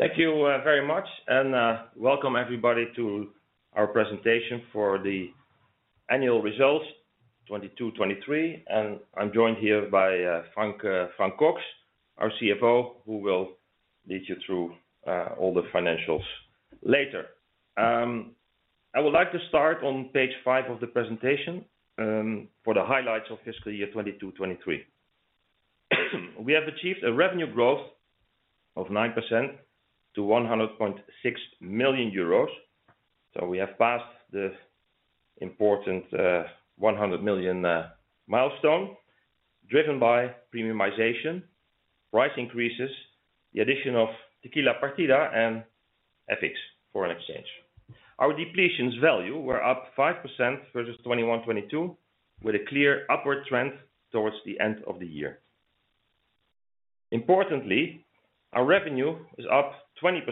Thank you very much, welcome everybody to our presentation for the annual results, 2022, 2023. I'm joined here by Frank Cocx, our CFO, who will lead you through all the financials later. I would like to start on page 5 of the presentation for the highlights of fiscal year 2022, 2023. We have achieved a revenue growth of 9% to 100.6 million euros. We have passed the important 100 million milestone, driven by premiumization, price increases, the addition of Tequila Partida and FX, foreign exchange. Our depletions value were up 5% versus 2021, 2022, with a clear upward trend towards the end of the year. Importantly, our revenue is up 20%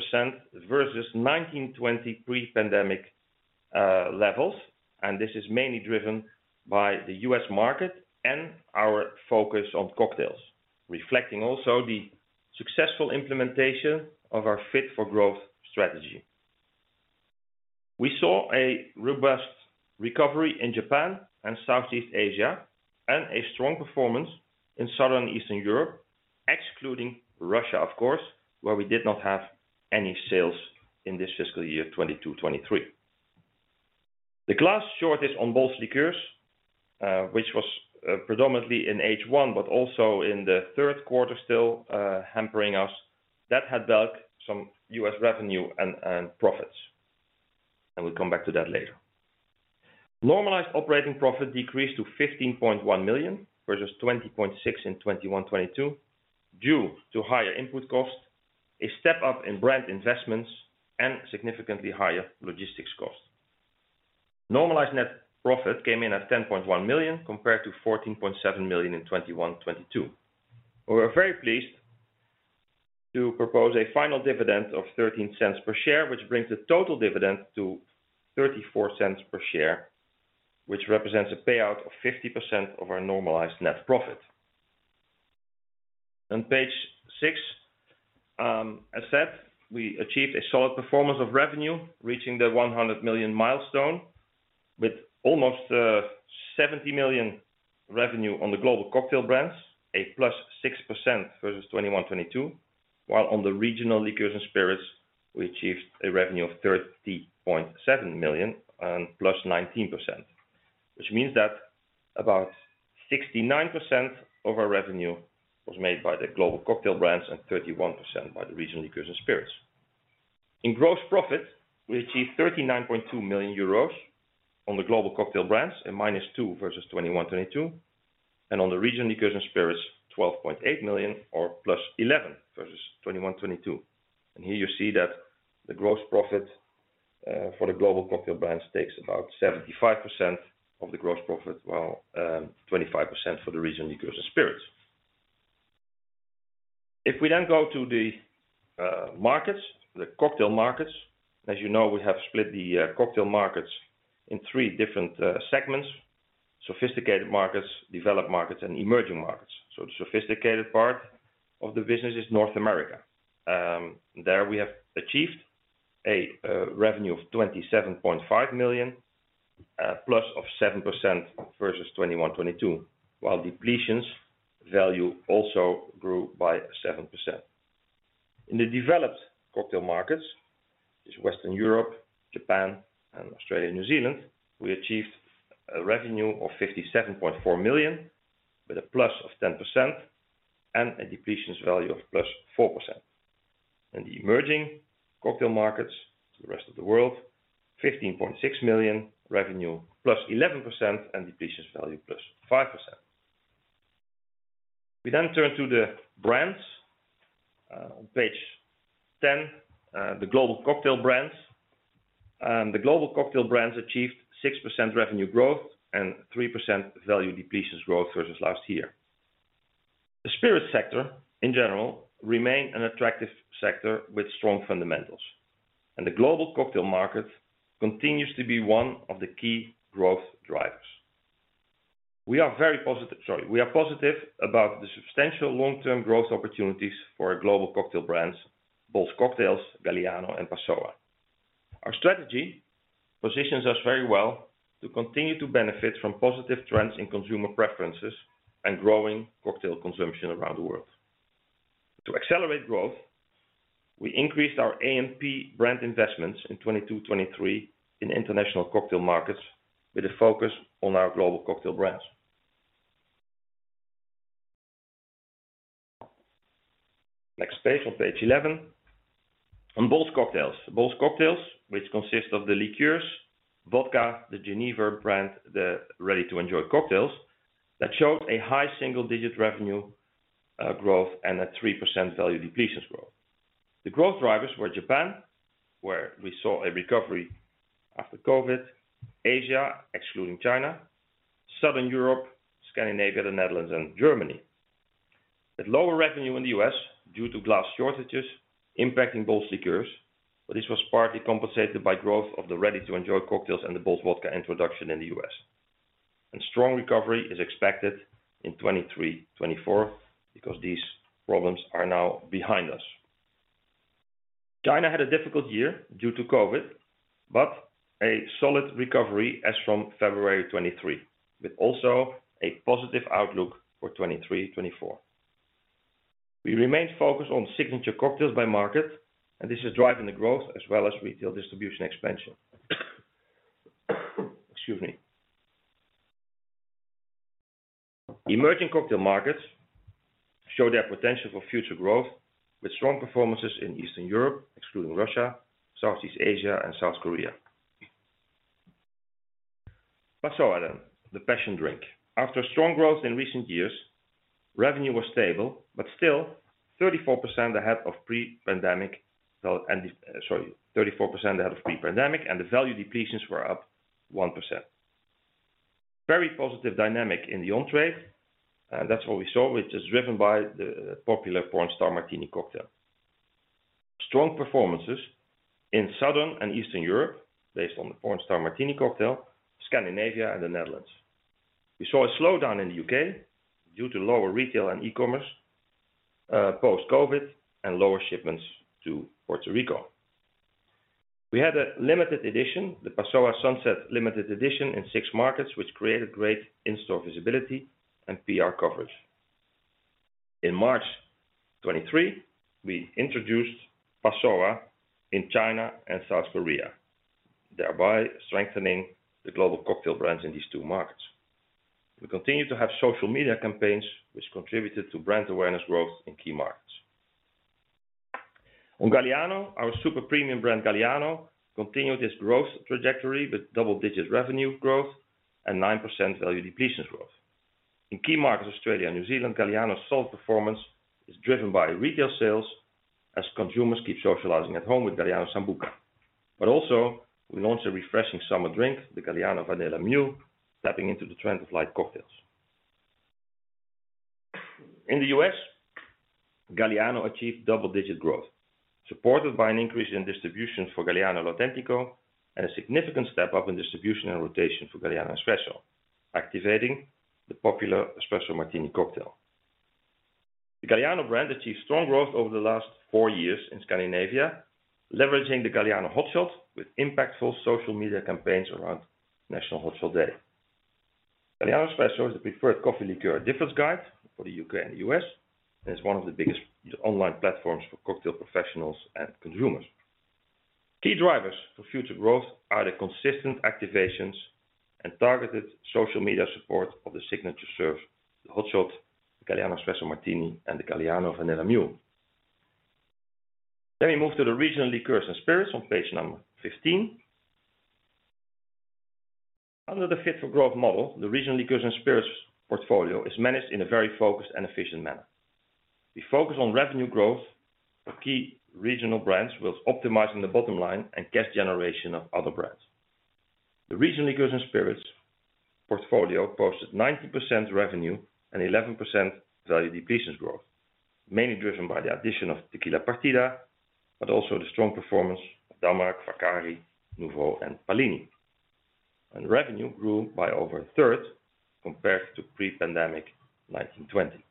versus 2019, 2020 pre-pandemic levels, and this is mainly driven by the U.S. market and our focus on cocktails, reflecting also the successful implementation of our Fit for Growth strategy. We saw a robust recovery in Japan and Southeast Asia, and a strong performance in Southern Eastern Europe, excluding Russia, of course, where we did not have any sales in this fiscal year 2022, 2023. The glass shortage on Bols Liqueurs, which was predominantly in H1, but also in the third quarter still hampering us, that had dug some U.S. revenue and profits, and we'll come back to that later. Normalized operating profit decreased to 15.1 million, versus 20.6 million in 2021, 2022, due to higher input costs, a step up in brand investments, and significantly higher logistics costs. Normalized net profit came in at 10.1 million, compared to 14.7 million in 2021-2022. We were very pleased to propose a final dividend of 0.13 per share, which brings the total dividend to 0.34 per share, which represents a payout of 50% of our normalized net profit. On page 6, as said, we achieved a solid performance of revenue, reaching the 100 million milestone, with almost 70 million revenue on the global cocktail brands, a +6% versus 2021-2022. While on the regional liqueurs and spirits, we achieved a revenue of 30.7 million and +19%, which means that about 69% of our revenue was made by the global cocktail brands and 31% by the regional liqueurs and spirits. In gross profit, we achieved 39.2 million euros on the global cocktail brands, and -2% versus 2021-2022, and on the regional liqueurs and spirits, 12.8 million or +11% versus 2021-2022. Here you see that the gross profit for the global cocktail brands takes about 75% of the gross profit, while 25% for the regional liqueurs and spirits. If we then go to the markets, the cocktail markets, as you know, we have split the cocktail markets in three different segments: sophisticated markets, developed markets, and emerging markets. The sophisticated part of the business is North America. There we have achieved a revenue of 27.5 million, plus of 7% versus 2021-2022, while depletions value also grew by 7%. In the developed cocktail markets, is Western Europe, Japan, and Australia, and New Zealand, we achieved a revenue of 57.4 million, with a +10% and a depletions value of +4%. In the emerging cocktail markets, to the rest of the world, 15.6 million revenue, +11% and depletions value +5%. We turn to the brands, on page 10, the global cocktail brands. The global cocktail brands achieved 6% revenue growth and 3% value depletions growth versus last year. The spirit sector, in general, remain an attractive sector with strong fundamentals, and the global cocktail market continues to be one of the key growth drivers. We are positive about the substantial long-term growth opportunities for our global cocktail brands, Bols Cocktails, Galliano, and Passoã. Our strategy positions us very well to continue to benefit from positive trends in consumer preferences and growing cocktail consumption around the world. To accelerate growth, we increased our A&P brand investments in 2022, 2023 in international cocktail markets with a focus on our global cocktail brands. Next page, on page 11. On Bols Cocktails. Bols Cocktails, which consist of the liqueurs, vodka, the Genever brand, the ready-to-enjoy cocktails, that showed a high single-digit revenue growth, and a 3% value depletions growth. The growth drivers were Japan, where we saw a recovery after COVID, Asia, excluding China, Southern Europe, Scandinavia, the Netherlands, and Germany. Lower revenue in the U.S., due to glass shortages impacting Bols Liqueurs, but this was partly compensated by growth of the ready-to-enjoy cocktails and the Bols Vodka introduction in the U.S. Strong recovery is expected in 2023, 2024, because these problems are now behind us. China had a difficult year due to COVID, but a solid recovery as from February 2023, with also a positive outlook for 2023, 2024. We remain focused on signature cocktails by market, this is driving the growth as well as retail distribution expansion. Excuse me. Emerging cocktail markets show their potential for future growth, with strong performances in Eastern Europe, excluding Russia, Southeast Asia and South Korea. Passoã, the passion drink. After strong growth in recent years, revenue was stable, but still 34% ahead of pre-pandemic, 34 ahead of pre-pandemic, and the value depletions were up 1%. Very positive dynamic in the on-trade, that's what we saw, which is driven by the popular Pornstar Martini cocktail. Strong performances in Southern and Eastern Europe, based on the Pornstar Martini cocktail, Scandinavia, and the Netherlands. We saw a slowdown in the UK due to lower retail and e-commerce, post-COVID, and lower shipments to Puerto Rico. We had a limited edition, the Passoã Sunset Limited Edition in six markets, which created great in-store visibility and PR coverage. In March 2023, we introduced Passoã in China and South Korea, thereby strengthening the global cocktail brands in these two markets. We continue to have social media campaigns, which contributed to brand awareness growth in key markets. On Galliano, our super premium brand, Galliano, continued its growth trajectory with double-digit revenue growth and 9% value depletion growth. In key markets, Australia, New Zealand, Galliano's solid performance is driven by retail sales as consumers keep socializing at home with Galliano Sambuca. Also we launched a refreshing summer drink, the Galliano Vanilla Mule, tapping into the trend of light cocktails. In the U.S., Galliano achieved double-digit growth, supported by an increase in distribution for Galliano L'Autentico, and a significant step up in distribution and rotation for Galliano Espresso, activating the popular Espresso Martini cocktail. The Galliano brand achieved strong growth over the last four years in Scandinavia, leveraging the Galliano Hot Shots with impactful social media campaigns around National Hot Shot Day. Galliano Espresso is the preferred coffee liqueur at Difford's Guide for the U.K. and the U.S., and is one of the biggest online platforms for cocktail professionals and consumers. Key drivers for future growth are the consistent activations and targeted social media support of the signature serve, the Hot Shots, Galliano Espresso Martini, and the Galliano Vanilla Mule. We move to the regional liqueurs and spirits on page number 15. Under the Fit for Growth model, the regional liqueurs and spirits portfolio is managed in a very focused and efficient manner. We focus on revenue growth of key regional brands, whilst optimizing the bottom line and cash generation of other brands. The regional liqueurs and spirits portfolio posted 19% revenue and 11% value depletion growth, mainly driven by the addition of Tequila Partida, but also the strong performance of Damrak, Vaccari, Nuvo, and Pallini. Revenue grew by over a third compared to pre-pandemic, 1920.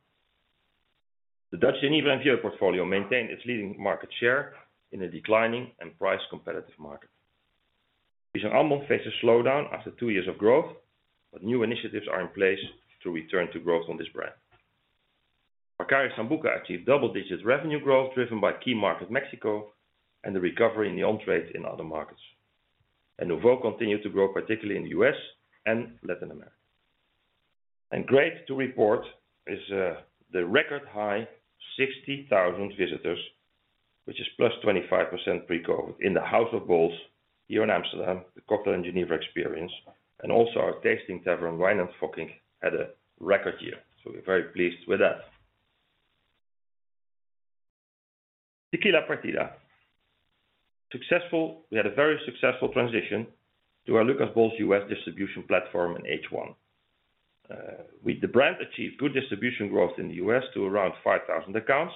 The Dutch Genever and beer portfolio maintained its leading market share in a declining and price competitive market. Zwarte Kip faced a slowdown after 2 years of growth, but new initiatives are in place to return to growth on this brand. Vaccari Sambuca achieved double-digit revenue growth, driven by key market Mexico and the recovery in the on-trade in other markets. Nuvo continued to grow, particularly in the U.S. and Latin America. Great to report is the record high 60,000 visitors, which is +25% pre-COVID, in the House of Bols, here in Amsterdam, the cocktail and Genever experience, and also our Tasting Tavern, Wynand Fockink, had a record year, so we're very pleased with that. Tequila Partida. We had a very successful transition to our Lucas Bols USA distribution platform in H1. With the brand achieved good distribution growth in the U.S. to around 5,000 accounts,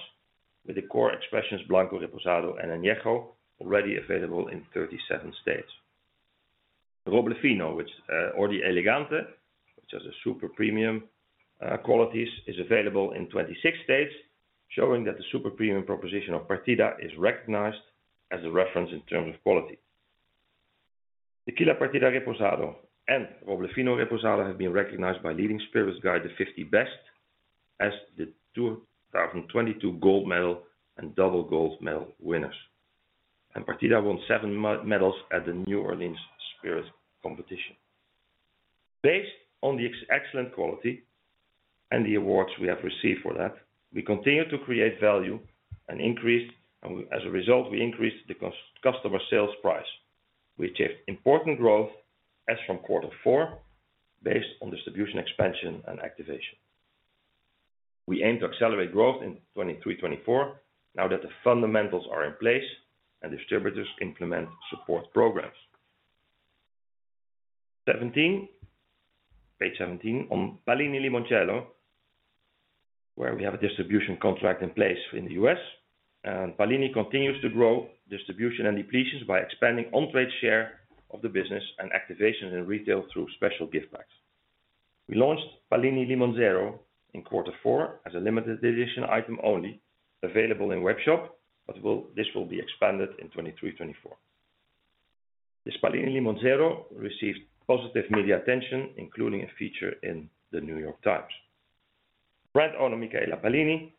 with the core expressions, Blanco, Reposado, and Añejo, already available in 37 states. Roble Fino, which, or the Elegante, which has a super premium qualities, is available in 26 states, showing that the super premium proposition of Partida is recognized as a reference in terms of quality. Tequila Partida Reposado and Roble Fino Reposado have been recognized by leading spirits guide, The Fifty Best, as the 2022 gold medal and double gold medal winners. Partida won 7 medals at the New Orleans Spirits Competition. Based on the excellent quality and the awards we have received for that, we continue to create value and increase, and as a result, we increased the customer sales price. We achieved important growth as from quarter four, based on distribution, expansion, and activation. We aim to accelerate growth in 2023, 2024, now that the fundamentals are in place and distributors implement support programs. 17, page 17, on Pallini Limoncello.... where we have a distribution contract in place in the U.S. Pallini continues to grow distribution and depletions by expanding on-trade share of the business and activations in retail through special gift packs. We launched Pallini Limonzero in quarter four as a limited edition item only, available in webshop, this will be expanded in 2023, 2024. This Pallini Limonzero received positive media attention, including a feature in The New York Times. Brand owner, Micaela Pallini,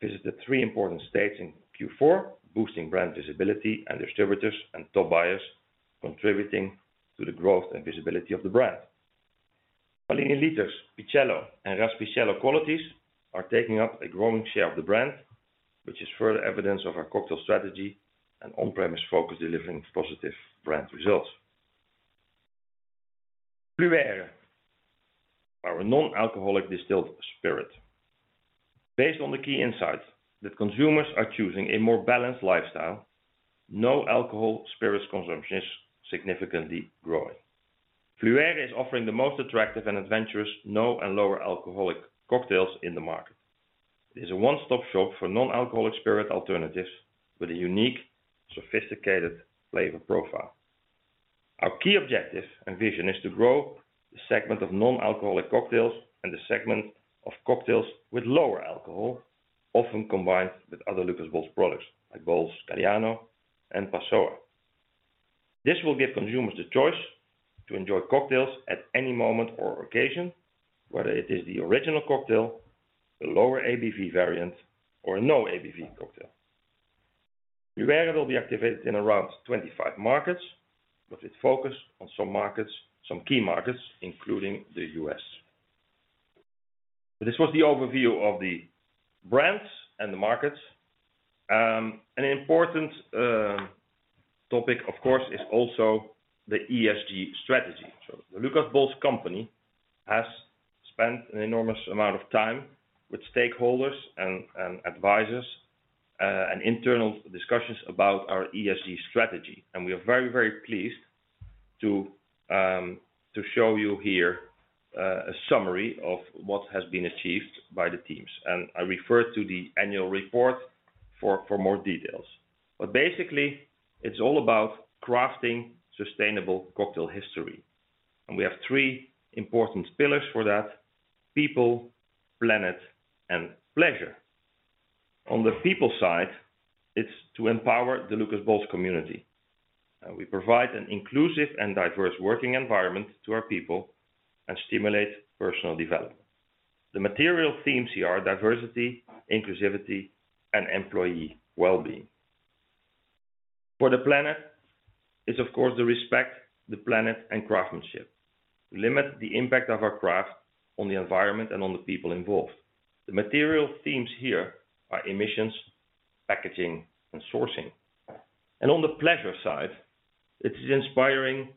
visited three important states in Q4, boosting brand visibility and distributors and top buyers, contributing to the growth and visibility of the brand. Pallini liters, Peachello, and Raspicello qualities are taking up a growing share of the brand, which is further evidence of our cocktail strategy and on-premise focus delivering positive brand results. Fluère, our non-alcoholic distilled spirit. Based on the key insights that consumers are choosing a more balanced lifestyle, no alcohol spirits consumption is significantly growing. Fluère is offering the most attractive and adventurous, no, and lower alcoholic cocktails in the market. It is a one-stop shop for non-alcoholic spirit alternatives with a unique, sophisticated flavor profile. Our key objective and vision is to grow the segment of non-alcoholic cocktails and the segment of cocktails with lower alcohol, often combined with other Lucas Bols products, like Bols, Galliano, and Passoã. This will give consumers the choice to enjoy cocktails at any moment or occasion, whether it is the original cocktail, the lower ABV variant, or no ABV cocktail. Fluère will be activated in around 25 markets, but it's focused on some markets, some key markets, including the U.S. This was the overview of the brands and the markets. An important topic, of course, is also the ESG strategy. The Lucas Bols company has spent an enormous amount of time with stakeholders and advisors and internal discussions about our ESG strategy, and we are very, very pleased to show you here a summary of what has been achieved by the teams. I refer to the annual report for more details. Basically, it's all about crafting sustainable cocktail history, and we have 3 important pillars for that: people, planet, and pleasure. On the people side, it's to empower the Lucas Bols community. We provide an inclusive and diverse working environment to our people and stimulate personal development. The material themes here are diversity, inclusivity, and employee well-being. For the planet, is, of course, the respect, the planet, and craftsmanship, to limit the impact of our craft on the environment and on the people involved. The material themes here are emissions, packaging, and sourcing. On the pleasure side, it is inspiring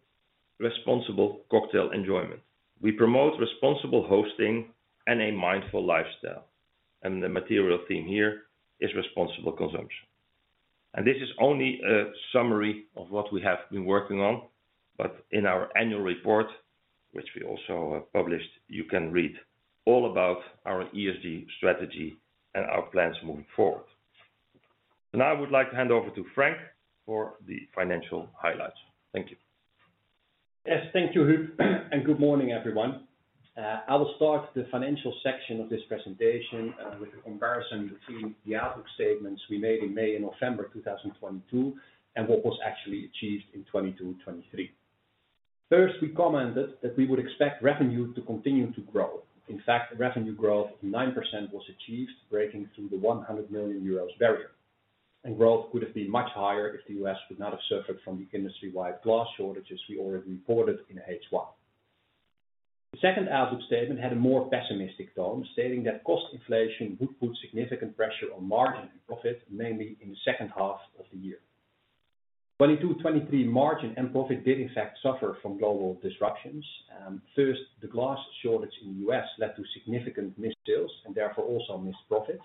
responsible cocktail enjoyment. We promote responsible hosting and a mindful lifestyle, and the material theme here is responsible consumption. This is only a summary of what we have been working on, but in our annual report, which we also published, you can read all about our ESG strategy and our plans moving forward. I would like to hand over to Frank for the financial highlights. Thank you. Yes, thank you, Huub. Good morning, everyone. I will start the financial section of this presentation with a comparison between the outlook statements we made in May and November of 2022, and what was actually achieved in 2023. First, we commented that we would expect revenue to continue to grow. In fact, revenue growth of 9% was achieved, breaking through the 100 million euros barrier. Growth would have been much higher if the U.S. would not have suffered from the industry-wide glass shortages we already reported in H1. The second outlook statement had a more pessimistic tone, stating that cost inflation would put significant pressure on margin and profit, mainly in the second half of the year. 2022-2023 margin and profit did in fact suffer from global disruptions. First, the glass shortage in the U.S. led to significant missed sales and therefore also missed profits.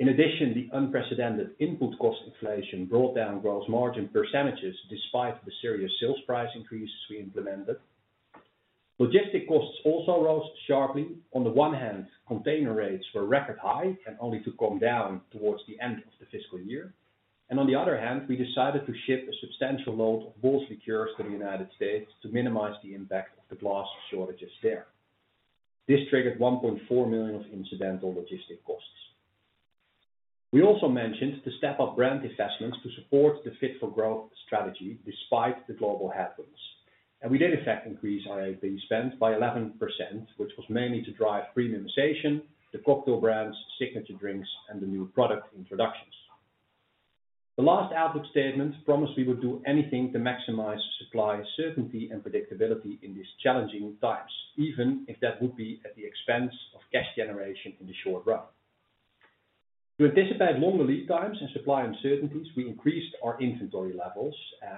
In addition, the unprecedented input cost inflation brought down gross margin percentages despite the serious sales price increases we implemented. Logistic costs also rose sharply. On the one hand, container rates were record high and only to come down towards the end of the fiscal year. On the other hand, we decided to ship a substantial load of Bols Liqueurs to the United States to minimize the impact of the glass shortages there. This triggered 1.4 million of incidental logistic costs. We also mentioned to step up brand investments to support the Fit for Growth strategy despite the global headwinds. We did in fact increase our A&P spend by 11%, which was mainly to drive premiumization, the cocktail brands, signature drinks, and the new product introductions. The last outlook statement promised we would do anything to maximize supply, certainty, and predictability in these challenging times, even if that would be at the expense of cash generation in the short run. To anticipate longer lead times and supply uncertainties, we increased our inventory levels,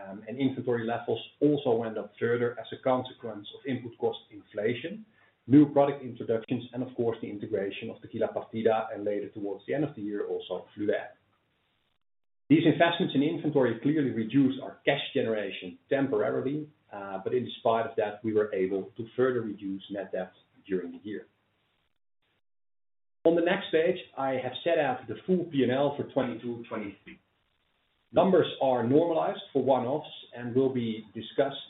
and inventory levels also went up further as a consequence of input cost inflation, new product introductions, and of course, the integration of Tequila Partida, and later towards the end of the year, also Fluère. These investments in inventory clearly reduce our cash generation temporarily, but in spite of that, we were able to further reduce net debt during the year. On the next page, I have set out the full PNL for 2022, 2023. Numbers are normalized for one-offs and will be discussed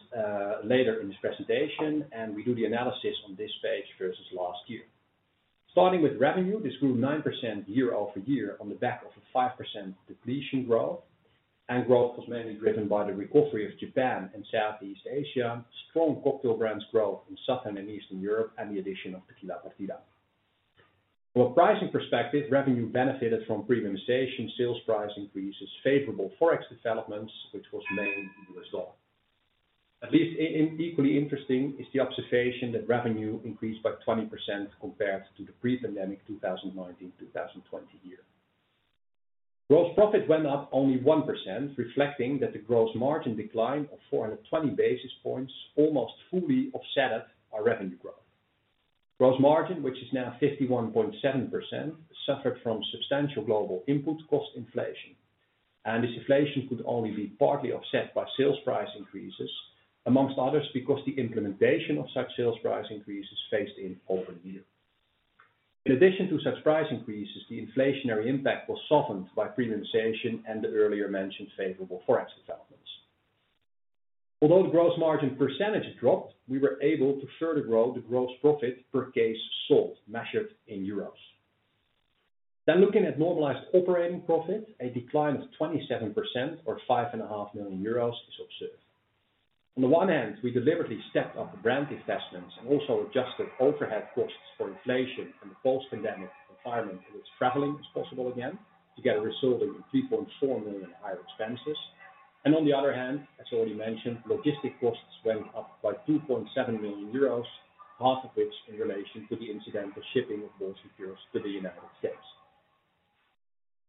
later in this presentation, and we do the analysis on this page versus last year. Starting with revenue, this grew 9% year-over-year on the back of a 5% depletion growth. Growth was mainly driven by the recovery of Japan and Southeast Asia, strong cocktail brands growth in Southern and Eastern Europe, and the addition of Tequila Partida. From a pricing perspective, revenue benefited from premiumization sales price increases, favorable Forex developments, which was mainly US dollar. At least in equally interesting is the observation that revenue increased by 20% compared to the pre-pandemic, 2019 to 2020 year. Gross profit went up only 1%, reflecting that the gross margin decline of 420 basis points almost fully offset up our revenue growth. Gross margin, which is now 51.7%, suffered from substantial global input cost inflation. This inflation could only be partly offset by sales price increases, among others, because the implementation of such sales price increases phased in over the year. In addition to such price increases, the inflationary impact was softened by premiumization and the earlier mentioned favorable Forex developments. Although gross margin percentage dropped, we were able to further grow the gross profit per case sold, measured in euros. Looking at normalized operating profit, a decline of 27% or 5.5 million euros is observed. On the one hand, we deliberately stepped up the brand investments and also adjusted overhead costs for inflation and the post-pandemic environment, in which traveling is possible again, together resulting in 3.4 million higher expenses. On the other hand, as already mentioned, logistic costs went up by 2.7 million euros, half of which in relation to the incidental shipping of Bols Liqueurs to the United States.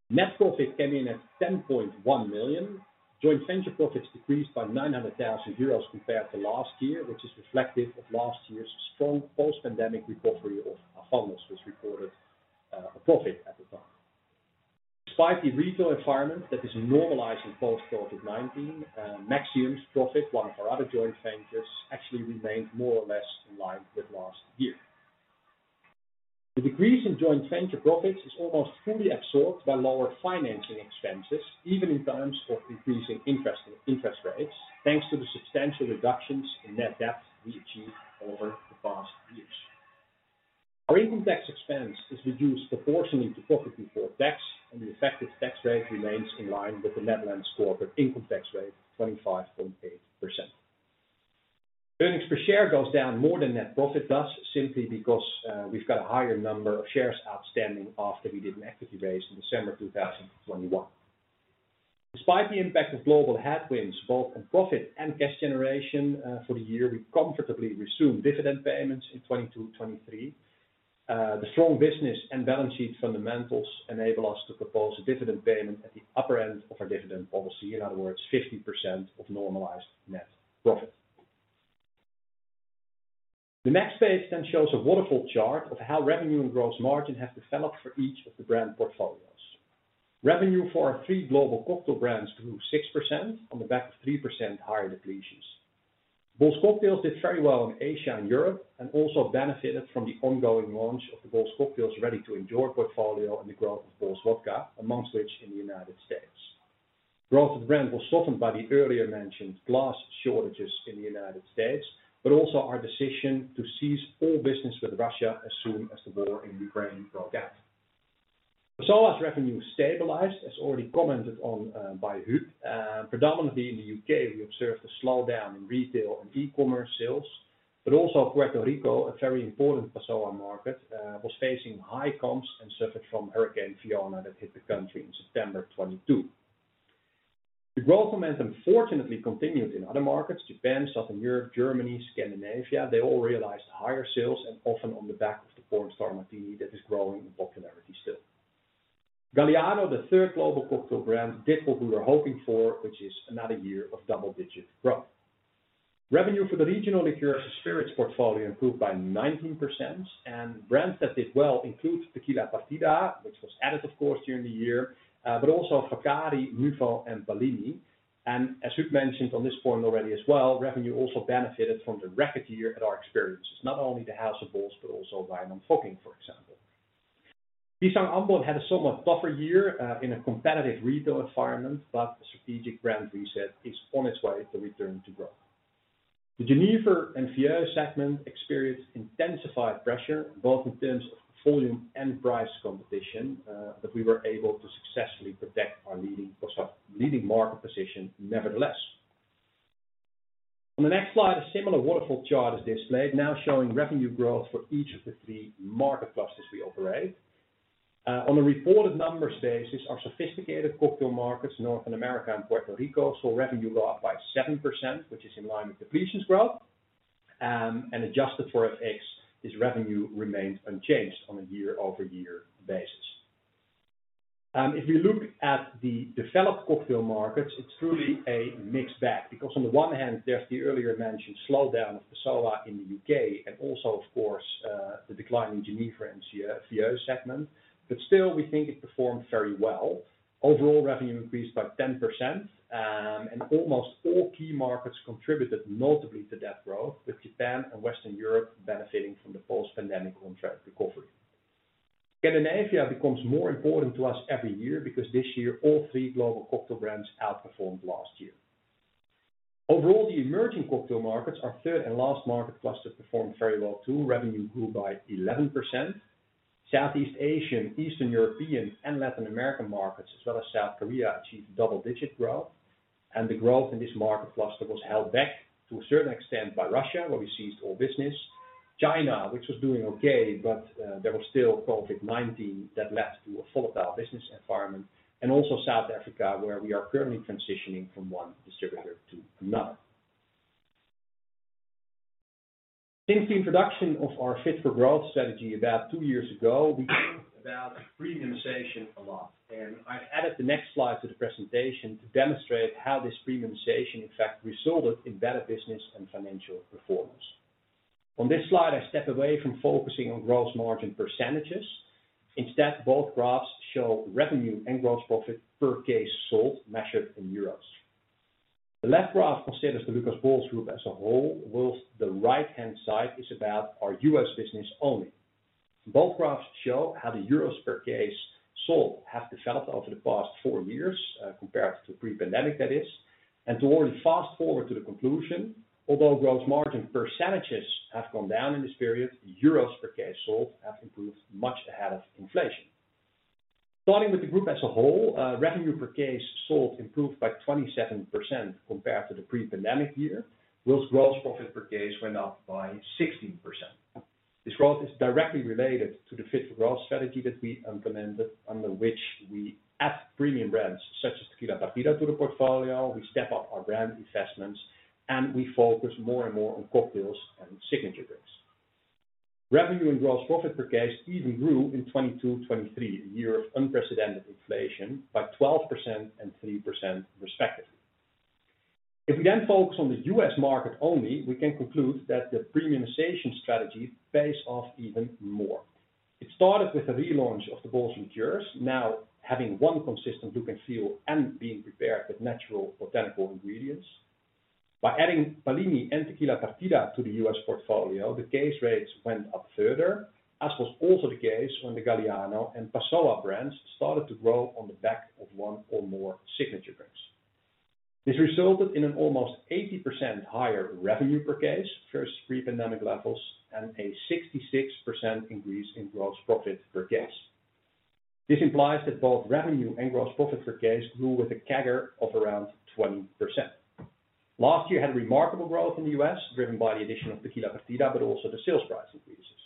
Net profit came in at 10.1 million. Joint venture profits decreased by 900,000 euros compared to last year, which is reflective of last year's strong post-pandemic recovery of Alfamos, which recorded a profit at the time. Despite the retail environment that is normalizing post COVID-19, Maxxium's profit, one of our other joint ventures, actually remained more or less in line with last year. The decrease in joint venture profits is almost fully absorbed by lower financing expenses, even in times of increasing interest rates, thanks to the substantial reductions in net debt we achieved over the past years. Our income tax expense is reduced proportionally to profit before tax. The effective tax rate remains in line with the Netherlands corporate income tax rate, 25.8%. Earnings per share goes down more than net profit does, simply because we've got a higher number of shares outstanding after we did an equity raise in December 2021. Despite the impact of global headwinds, both in profit and cash generation for the year, we comfortably resumed dividend payments in 2022. The strong business and balance sheet fundamentals enable us to propose a dividend payment at the upper end of our dividend policy, in other words, 50% of normalized net profit. The next page shows a waterfall chart of how revenue and gross margin have developed for each of the brand portfolios. Revenue for our three global cocktail brands grew 6% on the back of 3% higher depletions. Bols Cocktails did very well in Asia and Europe, and also benefited from the ongoing launch of the Bols Cocktails ready to enjoy portfolio and the growth of Bols Vodka, amongst which in the United States. Growth of the brand was softened by the earlier mentioned glass shortages in the United States, but also our decision to cease all business with Russia as soon as the war in Ukraine broke out. Passoã's revenue stabilized, as already commented on by Huub. Predominantly in the UK, we observed a slowdown in retail and e-commerce sales, but also Puerto Rico, a very important Passoã market, was facing high comps and suffered from Hurricane Fiona that hit the country in September 2022. The growth momentum fortunately continued in other markets, Japan, Southern Europe, Germany, Scandinavia, they all realized higher sales and often on the back of the Pornstar Martini, that is growing in popularity still. Galliano, the third global cocktail brand, did what we were hoping for, which is another year of double-digit growth. Revenue for the regional liqueur spirits portfolio improved by 19%. Brands that did well include Tequila Partida, which was added, of course, during the year, but also Vaccari, Nuvo and Pallini. As Hoot mentioned on this point already as well, revenue also benefited from the record year at our experiences, not only the House of Bols, but also Wynand Fockink, for example. Pisang Ambon had a somewhat tougher year in a competitive retail environment, but strategic brand reset is on its way to return to growth. The Genever and Vier segment experienced intensified pressure, both in terms of volume and price competition, but we were able to successfully protect our leading market position, nevertheless. On the next slide, a similar waterfall chart is displayed, now showing revenue growth for each of the three market clusters we operate. On a reported numbers basis, our sophisticated cocktail markets, Northern America and Puerto Rico, saw revenue go up by 7%, which is in line with depletions growth, and adjusted for FX, this revenue remains unchanged on a year-over-year basis. If you look at the developed cocktail markets, it's truly a mixed bag, because on the one hand, there's the earlier mentioned slowdown of Passoã in the U.K. and also of course, the decline in Genever and CO segment. Still, we think it performed very well. Overall, revenue increased by 10%, almost all key markets contributed notably to that growth, with Japan and Western Europe benefiting from the post-pandemic on-track recovery. Scandinavia becomes more important to us every year because this year all 3 global cocktail brands outperformed last year. Overall, the emerging cocktail markets, our third and last market cluster, performed very well, too. Revenue grew by 11%. Southeast Asian, Eastern European, and Latin American markets, as well as South Korea, achieved double-digit growth, and the growth in this market cluster was held back to a certain extent by Russia, where we seized all business. China, which was doing okay, but there was still COVID-19 that led to a volatile business environment, and also South Africa, where we are currently transitioning from 1 distributor to another. Since the introduction of our Fit for Growth strategy about two years ago, we cared about premiumization a lot. I added the next slide to the presentation to demonstrate how this premiumization, in fact, resulted in better business and financial performance. On this slide, I step away from focusing on gross margin percentages. Instead, both graphs show revenue and gross profit per case sold, measured in EUR. The left graph considers the Lucas Bols Group as a whole, whilst the right-hand side is about our U.S. business only. Both graphs show how the EUR per case sold have developed over the past four years, compared to pre-pandemic, that is. To already fast forward to the conclusion, although gross margin percentages have gone down in this period, EUR per case sold have improved much ahead of inflation. Starting with the group as a whole, revenue per case sold improved by 27% compared to the pre-pandemic year, whilst gross profit per case went up by 16%. This growth is directly related to the Fit for Growth strategy that we implemented, under which we add premium brands such as Tequila Partida to the portfolio, we step up our brand investments, and we focus more and more on cocktails and signature drinks. Revenue and gross profit per case even grew in 2022, 2023, a year of unprecedented inflation, by 12% and 3% respectively. We then focus on the U.S. market only, we can conclude that the premiumization strategy pays off even more. It started with a relaunch of the Bols Liqueurs, now having one consistent look and feel and being prepared with natural botanical ingredients. By adding Bellini and Tequila Partida to the US portfolio, the case rates went up further, as was also the case when the Galliano and Passoã brands started to grow on the back of one or more signature drinks. This resulted in an almost 80% higher revenue per case, versus pre-pandemic levels, and a 66% increase in gross profit per case. This implies that both revenue and gross profit per case grew with a CAGR of around 20%. Last year had remarkable growth in the US, driven by the addition of Tequila Partida, but also the sales price increases.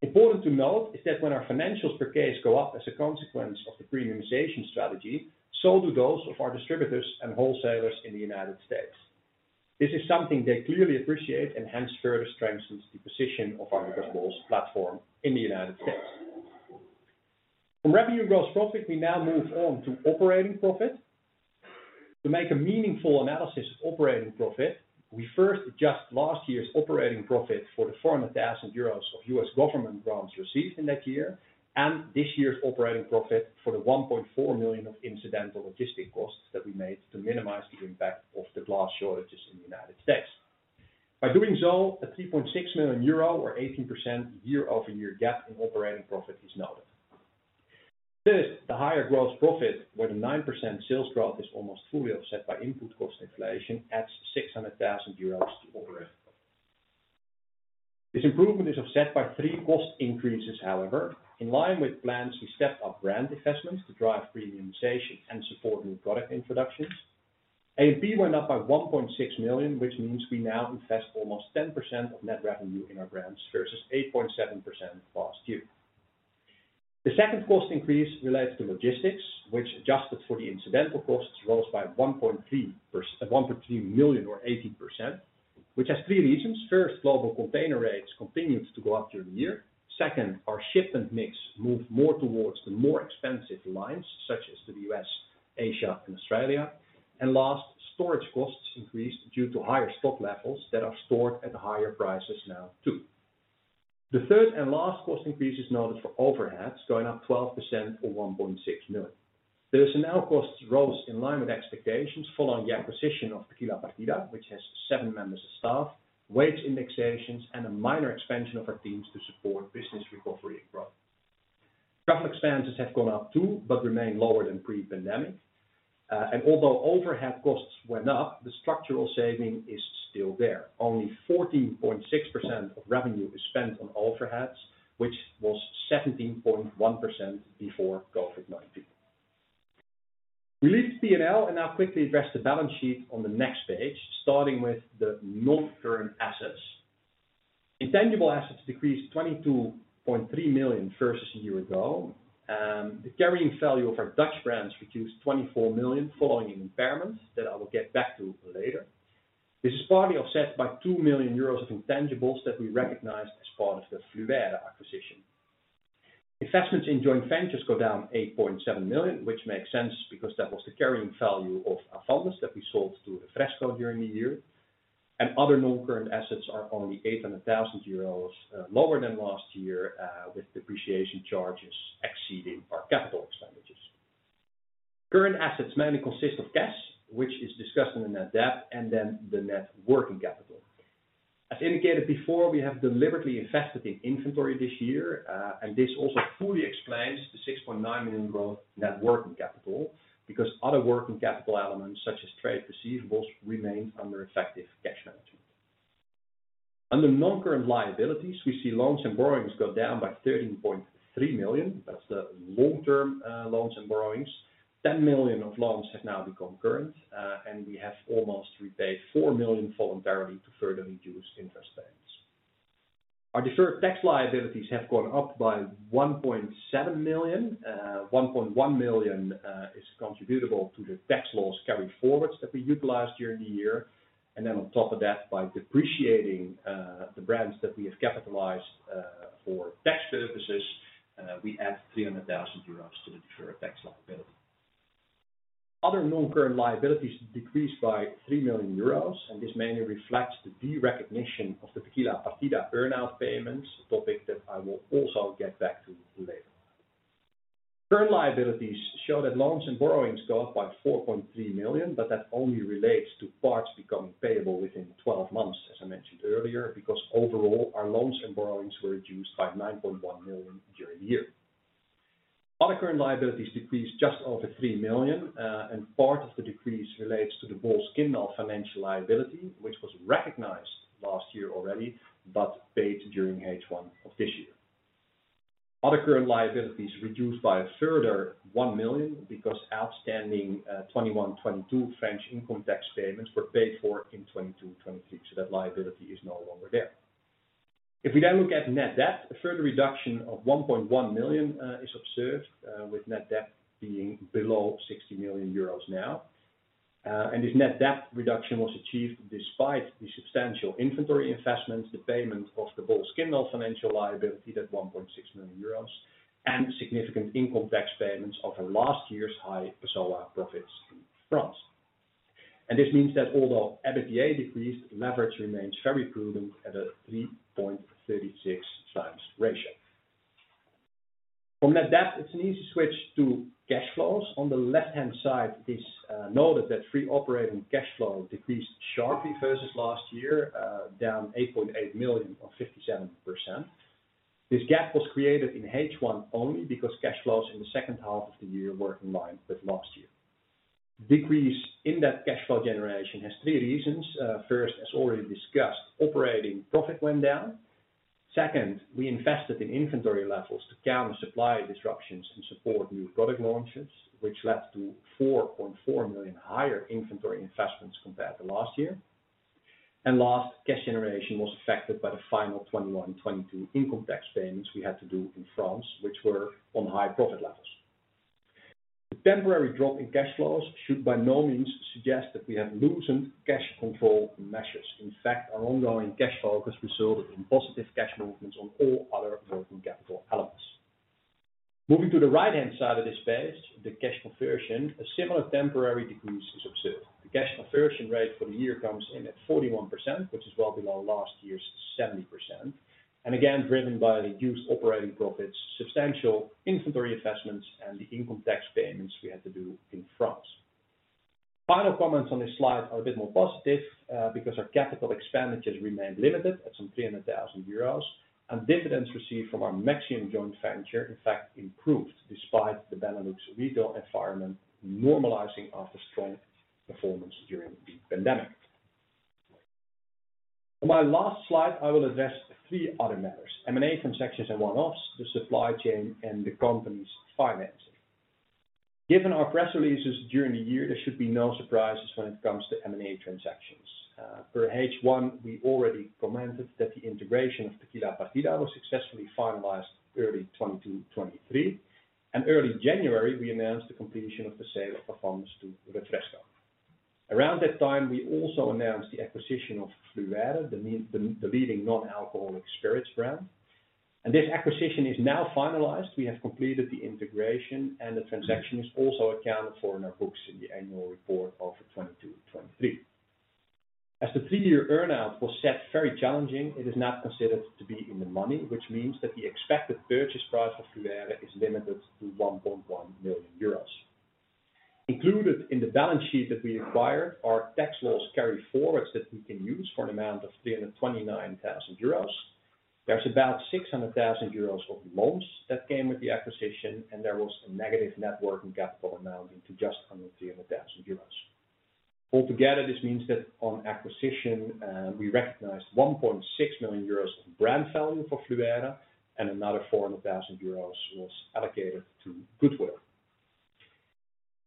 Important to note, is that when our financials per case go up as a consequence of the premiumization strategy, so do those of our distributors and wholesalers in the United States. This is something they clearly appreciate and hence further strengthens the position of our Lucas Bols platform in the United States. From revenue and gross profit, we now move on to operating profit. To make a meaningful analysis of operating profit, we first adjust last year's operating profit for the 400,000 euros of U.S. government grants received in that year, and this year's operating profit for the 1.4 million of incidental logistic costs that we made to minimize the impact of the glass shortages in the United States. By doing so, a 3.6 million euro or 18% year-over-year gap in operating profit is noted. This, the higher gross profit, where the 9% sales growth is almost fully offset by input cost inflation, adds 600,000 euros to operating profit. This improvement is offset by three cost increases however, in line with plans, we stepped up brand investments to drive premiumization and support new product introductions. A&P went up by 1.6 million, which means we now invest almost 10% of net revenue in our brands versus 8.7% last year. The second cost increase relates to logistics, which adjusted for the incidental costs, rose by 1.3 million or 80%, which has three reasons. First, global container rates continued to go up during the year. Second, our shipment mix moved more towards the more expensive lines, such as to the U.S., Asia and Australia. Last, storage costs increased due to higher stock levels that are stored at higher prices now, too. The third and last cost increase is noted for overheads, going up 12% or 1.6 million. The personnel costs rose in line with expectations following the acquisition of Tequila Partida, which has seven members of staff, wage indexations, and a minor expansion of our teams to support business recovery and growth. Travel expenses have gone up, too, but remain lower than pre-pandemic. Although overhead costs went up, the structural saving is still there. Only 14.6% of revenue is spent on overheads, which was 17.1% before COVID-19. We leave the PNL and now quickly address the balance sheet on the next page, starting with the non-current assets. Intangible assets decreased 22.3 million versus a year ago, and the carrying value of our Dutch brands reduced 24 million, following impairments that I will get back to later. This is partly offset by 2 million euros of intangibles that we recognized as part of the Fluère acquisition. Investments in joint ventures go down 8.7 million, which makes sense because that was the carrying value of Avandis that we sold to Refresco during the year. Other non-current assets are only 800,000 euros lower than last year, with depreciation charges exceeding our capital expenditures. Current assets mainly consist of cash, which is discussed in the net debt, and then the net working capital. As indicated before, we have deliberately invested in inventory this year, and this also fully explains the 6.9 million growth net working capital, because other working capital elements, such as trade receivables, remain under effective cash management. Under non-current liabilities, we see loans and borrowings go down by 13.3 million. That's the long-term loans and borrowings. 10 million of loans have now become current. We have almost repaid 4 million voluntarily to further reduce interest payments. Our deferred tax liabilities have gone up by 1.7 million. 1.1 million is contributable to the tax laws carried forwards that we utilized during the year. On top of that, by depreciating the brands that we have capitalized for tax purposes, we add 300,000 euros to the deferred tax liability. Other non-current liabilities decreased by 3 million euros. This mainly reflects the derecognition of the Tequila Partida earn-out payments, a topic that I will also get back to later. Current liabilities show that loans and borrowings go up by 4.3 million. That only relates to parts becoming payable within 12 months, as I mentioned earlier, because overall, our loans and borrowings were reduced by 9.1 million during the year. Other current liabilities decreased just over 3 million, and part of the decrease relates to the Bols Kyndal financial liability, which was recognized last year already, but paid during H1 of this year. Other current liabilities reduced by a further 1 million because outstanding 2021, 2022 French income tax payments were paid for in 2022, 2023. That liability is no longer there. We now look at net debt, a further reduction of 1.1 million is observed, with net debt being below 60 million euros now. This net debt reduction was achieved despite the substantial inventory investments, the payment of the Bols Kyndal financial liability, that 1.6 million euros, and significant income tax payments over last year's high SOLA profits in France. This means that although EBITDA decreased, leverage remains very prudent at a 3.36 times ratio. From net debt, it's an easy switch to cash flows. On the left-hand side, it is noted that free operating cash flow decreased sharply versus last year, down 8.8 million or 57%. This gap was created in H1 only because cash flows in the second half of the year were in line with last year. Decrease in that cash flow generation has three reasons. First, as already discussed, operating profit went down. We invested in inventory levels to counter supply disruptions and support new product launches, which led to 4.4 million higher inventory investments compared to last year. Last, cash generation was affected by the final 2021-2022 income tax payments we had to do in France, which were on high profit levels. The temporary drop in cash flows should by no means suggest that we have loosened cash control measures. In fact, our ongoing cash focus resulted in positive cash movements on all other working capital elements. Moving to the right-hand side of this page, the cash conversion, a similar temporary decrease is observed. The cash conversion rate for the year comes in at 41%, which is well below last year's 70%, again, driven by the reduced operating profits, substantial inventory investments, and the income tax payments we had to do in France. Final comments on this slide are a bit more positive, because our capital expenditures remained limited at 300,000 euros, and dividends received from our Maxxium joint venture, in fact, improved despite the Benelux retail environment normalizing after strong performance during the pandemic. On my last slide, I will address three other matters, M&A transactions and one-offs, the supply chain, and the company's financing. Given our press releases during the year, there should be no surprises when it comes to M&A transactions. Per H1, we already commented that the integration of Tequila Partida was successfully finalized early 2022, 2023, and early January, we announced the completion of the sale of Avandis to Refresco. Around that time, we also announced the acquisition of Fluère, the leading non-alcoholic spirits brand. This acquisition is now finalized. We have completed the integration. The transaction is also accounted for in our books in the annual report of 2022, 2023. As the three-year earn-out was set very challenging, it is now considered to be in the money, which means that the expected purchase price for Fluère is limited to 1.1 million euros. Included in the balance sheet that we acquired are tax laws carry forwards that we can use for an amount of 329,000 euros. There's about 600,000 euros of loans that came with the acquisition, and there was a negative net working capital amounting to just under 300,000 euros. Altogether, this means that on acquisition, we recognized 1.6 million euros of brand value for Fluère, and another 400,000 euros was allocated to goodwill.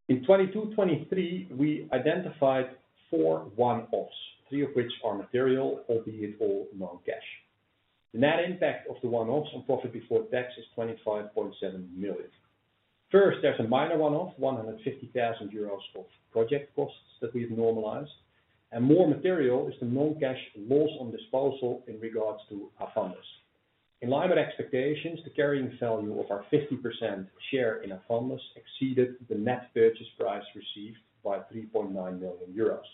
In 2022, 2023, we identified 4 one-offs, 3 of which are material, albeit all non-cash. The net impact of the one-offs on profit before tax is 25.7 million. First, there's a minor one-off, 150,000 euros of project costs that we've normalized, and more material is the non-cash loss on disposal in regards to Avandis. In line with expectations, the carrying value of our 50% share in Avandis exceeded the net purchase price received by 3.9 million euros.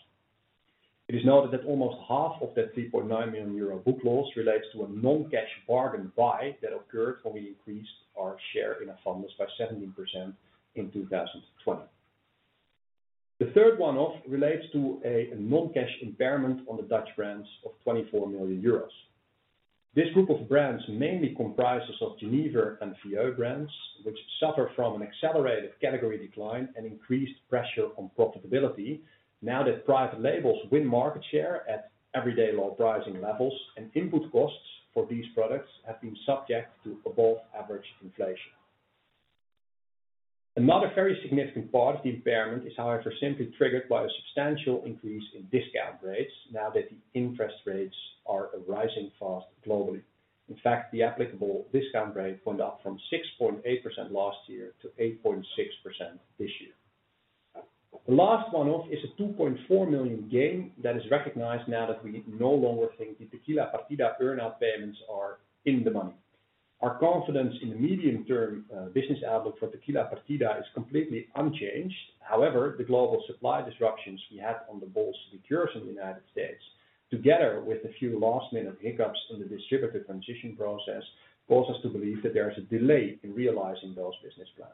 Please note that almost half of that three point nine million euro book loss relates to a non-cash bargain buy that occurred when we increased our share in Avandis by 17% in 2020. The third one-off relates to a non-cash impairment on the Dutch brands of 24 million euros. This group of brands mainly comprises of Genever and VO brands, which suffer from an accelerated category decline and increased pressure on profitability now that private labels win market share at everyday low pricing levels, and input costs for these products have been subject to above average inflation. Another very significant part of the impairment is, however, simply triggered by a substantial increase in discount rates now that the interest rates are rising fast globally. In fact, the applicable discount rate went up from 6.8% last year to 8.6% this year. The last one-off is a 2.4 million gain that is recognized now that we no longer think the Tequila Partida earn-out payments are in the money. Our confidence in the medium-term business outlook for Tequila Partida is completely unchanged. The global supply disruptions we had on the Bols Liqueurs in the United States, together with a few last-minute hiccups in the distributor transition process, cause us to believe that there is a delay in realizing those business plans.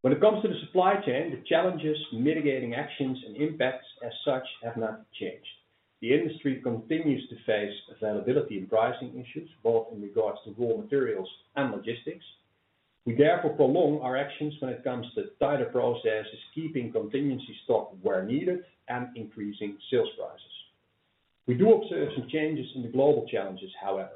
When it comes to the supply chain, the challenges, mitigating actions and impacts as such have not changed. The industry continues to face availability and pricing issues, both in regards to raw materials and logistics. We therefore prolong our actions when it comes to tighter processes, keeping contingency stock where needed and increasing sales prices. We do observe some changes in the global challenges, however.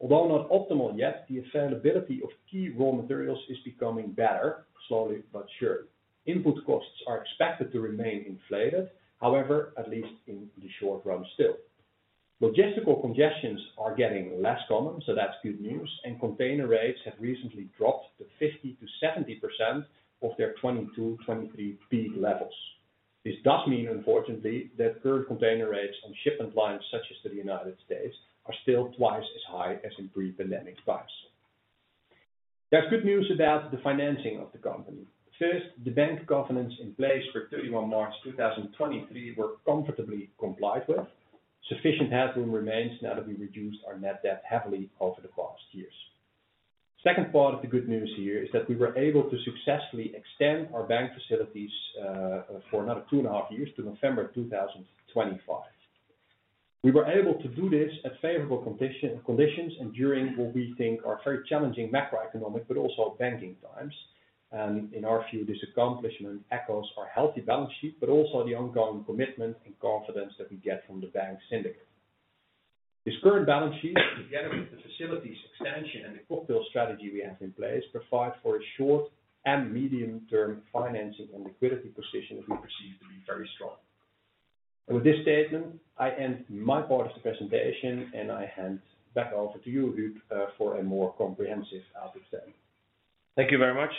Although not optimal yet, the availability of key raw materials is becoming better, slowly but surely. Input costs are expected to remain inflated, however, at least in the short run still. Logistical congestions are getting less common, so that's good news, and container rates have recently dropped to 50% to 70% of their 2022, 2023 peak levels. This does mean, unfortunately, that current container rates on shipment lines such as to the United States, are still twice as high as in pre-pandemic times. There's good news about the financing of the company. First, the bank covenants in place for 31 March 2023 were comfortably complied with. Sufficient headroom remains now that we reduced our net debt heavily over the past years. Second part of the good news here is that we were able to successfully extend our bank facilities for another two and a half years to November 2025. We were able to do this at favorable conditions and during what we think are very challenging macroeconomic, but also banking times. In our view, this accomplishment echoes our healthy balance sheet, but also the ongoing commitment and confidence that we get from the bank syndicate. This current balance sheet, together with the facilities extension and the cocktail strategy we have in place, provide for a short and medium-term financing and liquidity position that we perceive to be very strong. With this statement, I end my part of the presentation, and I hand back over to you, Huub, for a more comprehensive outlook then. Thank you very much,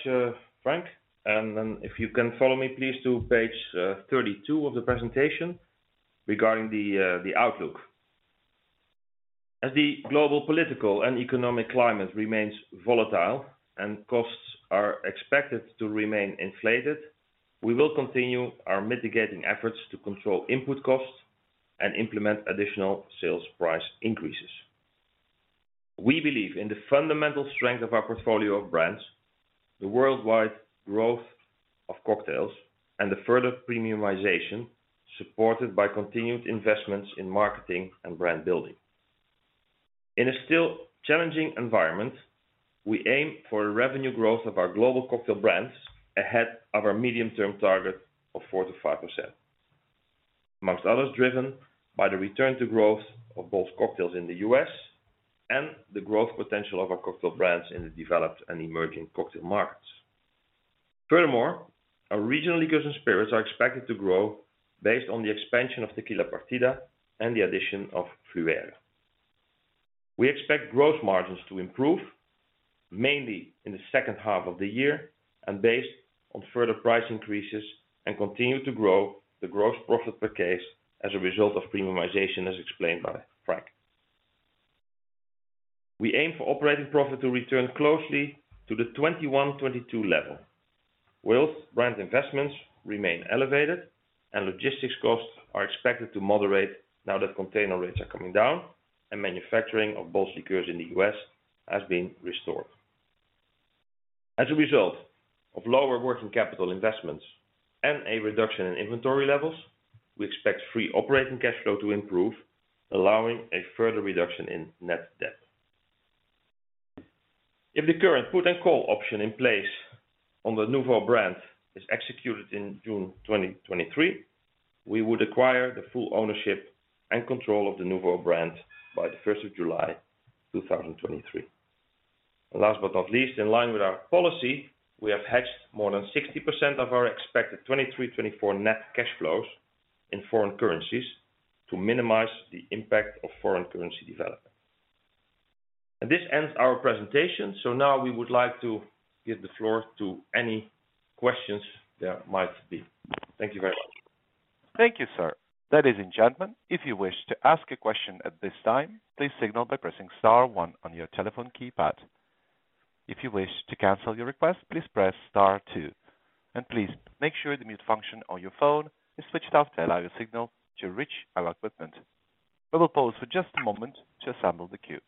Frank. If you can follow me, please, to page 32 of the presentation regarding the outlook. As the global political and economic climate remains volatile and costs are expected to remain inflated, we will continue our mitigating efforts to control input costs and implement additional sales price increases. We believe in the fundamental strength of our portfolio of brands, the worldwide growth of cocktails and the further premiumization, supported by continued investments in marketing and brand building. In a still challenging environment, we aim for a revenue growth of our global cocktail brands ahead of our medium-term target of 4%-5%, amongst others, driven by the return to growth of both cocktails in the US and the growth potential of our cocktail brands in the developed and emerging cocktail markets. Furthermore, our regional liqueurs and spirits are expected to grow based on the expansion of Tequila Partida and the addition of Fluère. We expect growth margins to improve, mainly in the second half of the year, based on further price increases and continue to grow the gross profit per case as a result of premiumization, as explained by Frank. We aim for operating profit to return closely to the 2021, 2022 level, whilst brand investments remain elevated and logistics costs are expected to moderate now that container rates are coming down and manufacturing of Bols Liqueurs in the US has been restored. As a result of lower working capital investments and a reduction in inventory levels, we expect free operating cash flow to improve, allowing a further reduction in net debt. If the current put and call option in place on the Nuvo brand is executed in June 2023, we would acquire the full ownership and control of the Nuvo brand by the 1st of July 2023. Last but not least, in line with our policy, we have hedged more than 60% of our expected 2023, 2024 net cash flows in foreign currencies to minimize the impact of foreign currency development. This ends our presentation. Now we would like to give the floor to any questions there might be. Thank you very much. Thank you, sir. Ladies and gentlemen, if you wish to ask a question at this time, please signal by pressing star one on your telephone keypad. If you wish to cancel your request, please press star two, and please make sure the mute function on your phone is switched off to allow your signal to reach our equipment. We will pause for just a moment to assemble the queue.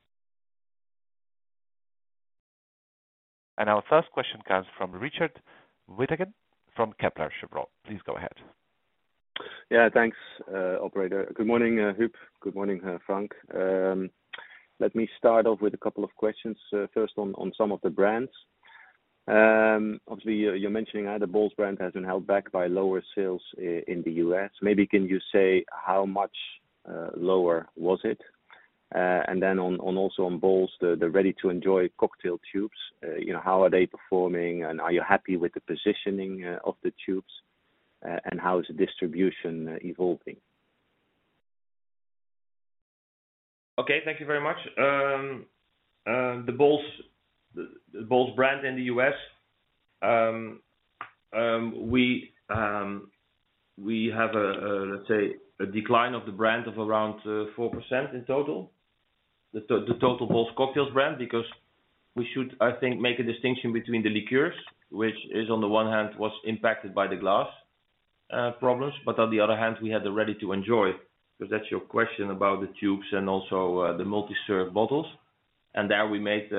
Our first question comes from Richard Withagen from Kepler Cheuvreux. Please go ahead. Yeah, thanks, operator. Good morning, Huub. Good morning, Frank. Let me start off with a couple of questions. First on some of the brands. Obviously, you're mentioning how the Bols brand has been held back by lower sales in the U.S. Maybe can you say, how much lower was it? Then on, also on Bols, the ready to enjoy cocktail tubes, you know, how are they performing, and are you happy with the positioning of the tubes? How is the distribution evolving? Okay. Thank you very much. The Bols brand in the U.S. We have a, let's say, a decline of the brand of around 4% in total. The total Bols Cocktails brand, because we should, I think, make a distinction between the liqueurs, which is on the one hand, was impacted by the glass problems, but on the other hand, we had the ready-to-enjoy, because that's your question about the tubes and also the multi-serve bottles. There we made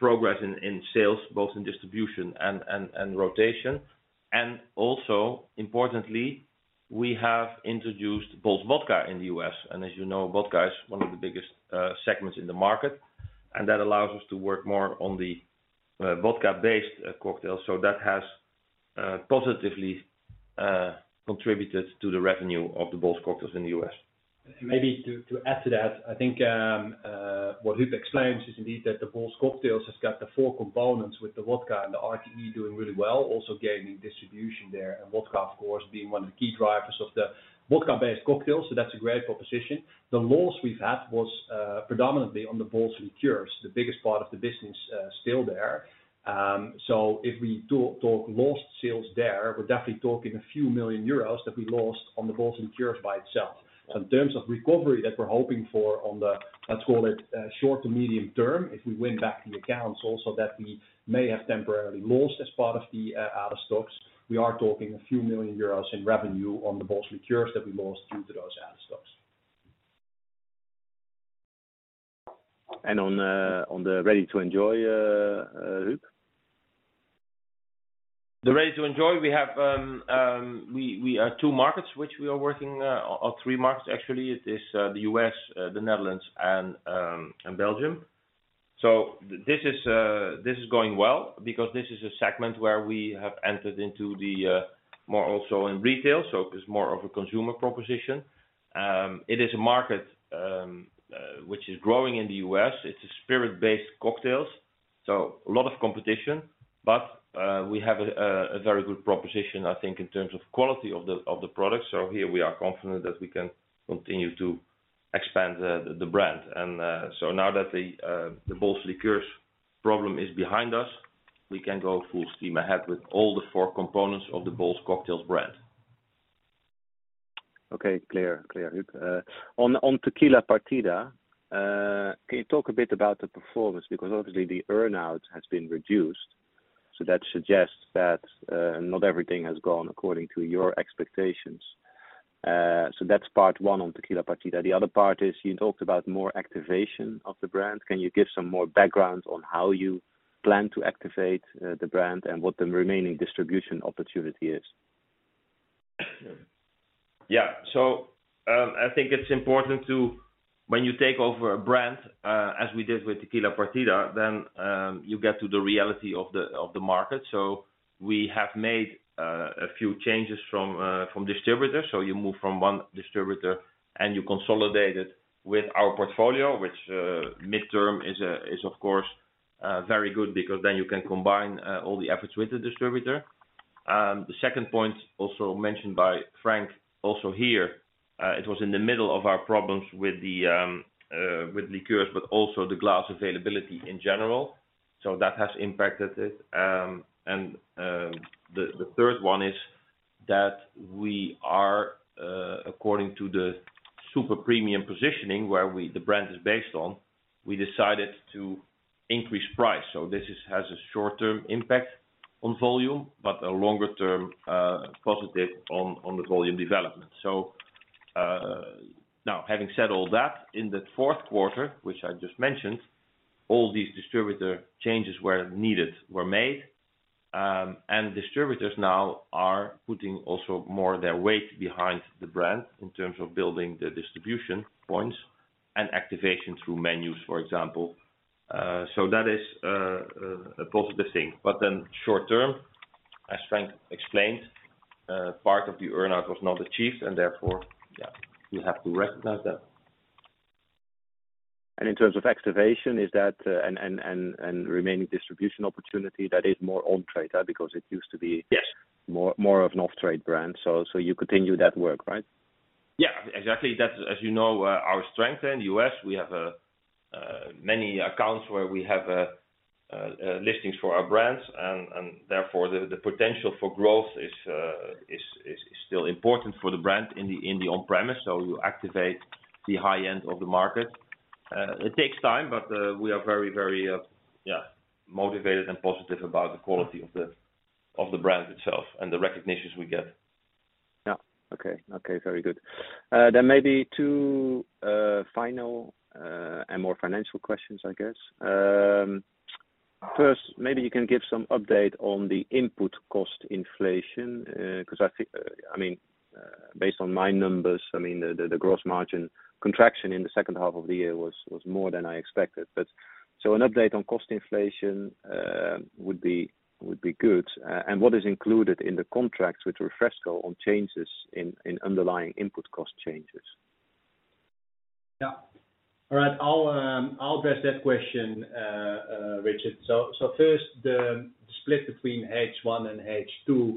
progress in sales, both in distribution and rotation. Also, importantly, we have introduced Bols Vodka in the U.S. As you know, vodka is one of the biggest segments in the market, that allows us to work more on the vodka-based cocktails. That has positively contributed to the revenue of the Bols Cocktails in the U.S. Maybe to add to that, I think, what Huub explains is indeed, that the Bols Cocktails has got the four components with the vodka and the RTE doing really well, also gaining distribution there, and vodka, of course, being one of the key drivers of the vodka-based cocktails. That's a great proposition. The loss we've had was predominantly on the Bols Liqueurs, the biggest part of the business, still there. If we talk lost sales there, we're definitely talking a few million euros that we lost on the Bols Liqueurs by itself. In terms of recovery that we're hoping for on the, let's call it, short to medium term, if we win back the accounts also, that we may have temporarily lost as part of the, out of stocks, we are talking a few million EUR in revenue on the Bols Liqueurs that we lost due to those out of stocks. On the ready to enjoy, Huub? The ready to enjoy, we have two markets which we are working or three markets, actually. It is the U.S., the Netherlands, and Belgium. This is going well because this is a segment where we have entered into the more also in retail, so it's more of a consumer proposition. It is a market which is growing in the U.S. It's a spirit-based cocktails, so a lot of competition, but we have a very good proposition, I think, in terms of quality of the product. Here we are confident that we can continue to expand the brand. Now that the Bols Liqueurs problem is behind us, we can go full steam ahead with all the four components of the Bols Cocktails brand. Okay. Clear. Clear, Huub. on Tequila Partida, can you talk a bit about the performance? Obviously the earn out has been reduced, so that suggests that not everything has gone according to your expectations. That's part one on Tequila Partida. The other part is you talked about more activation of the brand. Can you give some more background on how you plan to activate the brand and what the remaining distribution opportunity is? Yeah. I think it's important to. When you take over a brand, as we did with Tequila Partida, then, you get to the reality of the market. We have made a few changes from distributors. You move from one distributor, and you consolidate it with our portfolio, which midterm is, of course, very good, because then you can combine all the efforts with the distributor. The second point, also mentioned by Frank, also here, it was in the middle of our problems with liqueurs, but also the glass availability in general. That has impacted it. And the third one is that we are, according to the super premium positioning, where we, the brand is based on, we decided to increase price. This is, has a short-term impact on volume, but a longer-term positive on the volume development. Now, having said all that, in the fourth quarter, which I just mentioned, all these distributor changes where needed were made. Distributors now are putting also more of their weight behind the brand in terms of building the distribution points and activation through menus, for example. That is a positive thing. Short term as Frank explained, part of the earn out was not achieved and therefore, yeah, you have to recognize that. In terms of activation, is that, and remaining distribution opportunity that is more on-trade, huh? Because it used to be... Yes. More of an off-trade brand. You continue that work, right? Yeah, exactly. That's, as you know, our strength in the U.S., we have many accounts where we have listings for our brands. Therefore, the potential for growth is still important for the brand in the on-premise. We activate the high end of the market. It takes time, but we are very, very, yeah, motivated and positive about the quality of the brand itself and the recognitions we get. Yeah. Okay. Okay, very good. Then maybe 2 final and more financial questions, I guess. First, maybe you can give some update on the input cost inflation, 'cause I think, I mean, based on my numbers, I mean, the gross margin contraction in the second half of the year was more than I expected. An update on cost inflation, would be good. What is included in the contracts with Refresco on changes in underlying input cost changes? All right. I'll address that question, Richard. First, the split between H1 and H2,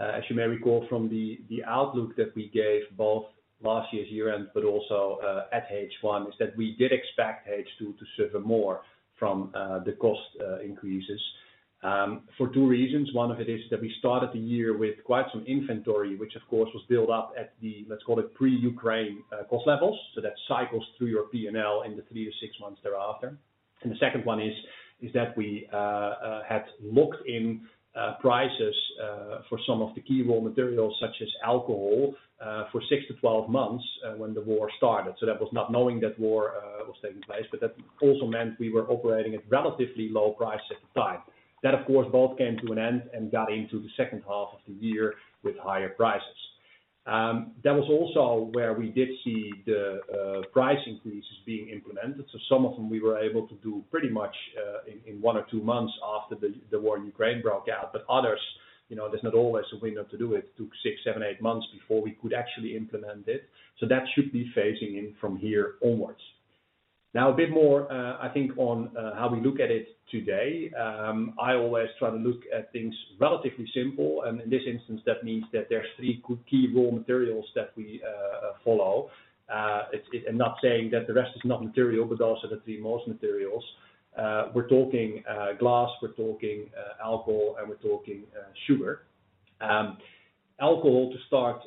as you may recall from the outlook that we gave both last year's year end, but also at H1, is that we did expect H2 to suffer more from the cost increases for 2 reasons. One of it is that we started the year with quite some inventory, which, of course, was built up at the, let's call it, pre-Ukraine cost levels. That cycles through your P&L in the 3-6 months thereafter. The second one is that we had locked in prices for some of the key raw materials, such as alcohol, for 6-12 months when the war started. That was not knowing that war was taking place, but that also meant we were operating at relatively low prices at the time. That, of course, both came to an end and got into the second half of the year with higher prices. That was also where we did see the price increases being implemented. Some of them we were able to do pretty much in one or two months after the war in Ukraine broke out. Others, you know, there's not always a window to do it. Took six, seven, eight months before we could actually implement it. That should be phasing in from here onwards. A bit more, I think on how we look at it today. I always try to look at things relatively simple. In this instance, that means that there are 3 key raw materials that we follow. I'm not saying that the rest is not material, but also the 3 most materials. We're talking glass, we're talking alcohol, and we're talking sugar. Alcohol, to start,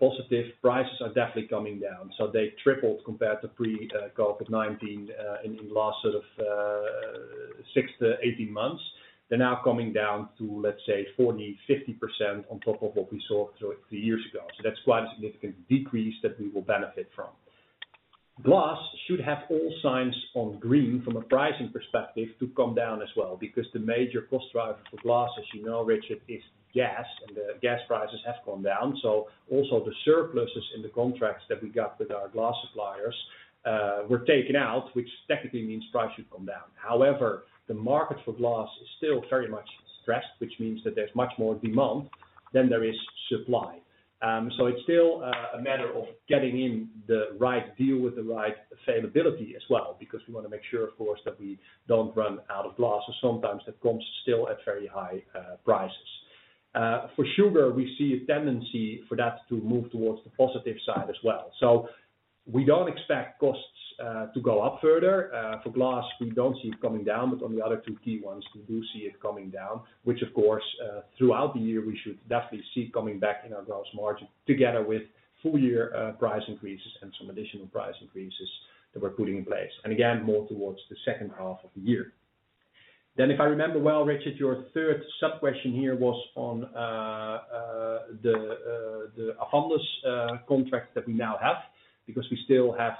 positive prices are definitely coming down, so they tripled compared to pre-COVID-19 in last sort of 6 to 18 months. They're now coming down to, let's say, 40%, 50% on top of what we saw three years ago. That's quite a significant decrease that we will benefit from. Glass should have all signs on green from a pricing perspective to come down as well, because the major cost driver for glass, as you know, Richard, is gas, and the gas prices have come down. Also the surpluses in the contracts that we got with our glass suppliers were taken out, which technically means price should come down. However, the market for glass is still very much stressed, which means that there's much more demand than there is supply. It's still a matter of getting in the right deal with the right availability as well, because we want to make sure, of course, that we don't run out of glass. Sometimes that comes still at very high prices. For sugar, we see a tendency for that to move towards the positive side as well. We don't expect costs to go up further. For glass, we don't see it coming down, but on the other two key ones, we do see it coming down, which of course, throughout the year, we should definitely see coming back in our gross margin, together with full year price increases and some additional price increases that we're putting in place. Again, more towards the second half of the year. If I remember well, Richard, your third sub-question here was on the Avandis contract that we now have, because we still have,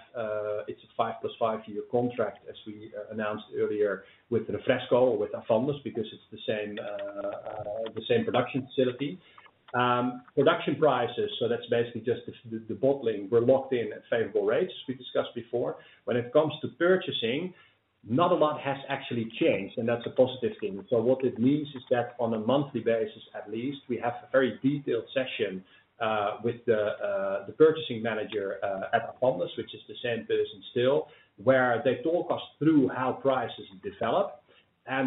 it's a 5 plus 5 year contract, as we announced earlier, with Refresco or with Avandis, because it's the same production facility. Production prices, so that's basically just the bottling. We're locked in at favorable rates, we discussed before. When it comes to purchasing, not a lot has actually changed. That's a positive thing. What it means is that on a monthly basis, at least, we have a very detailed session with the purchasing manager at Avandis, which is the same person still, where they talk us through how prices develop.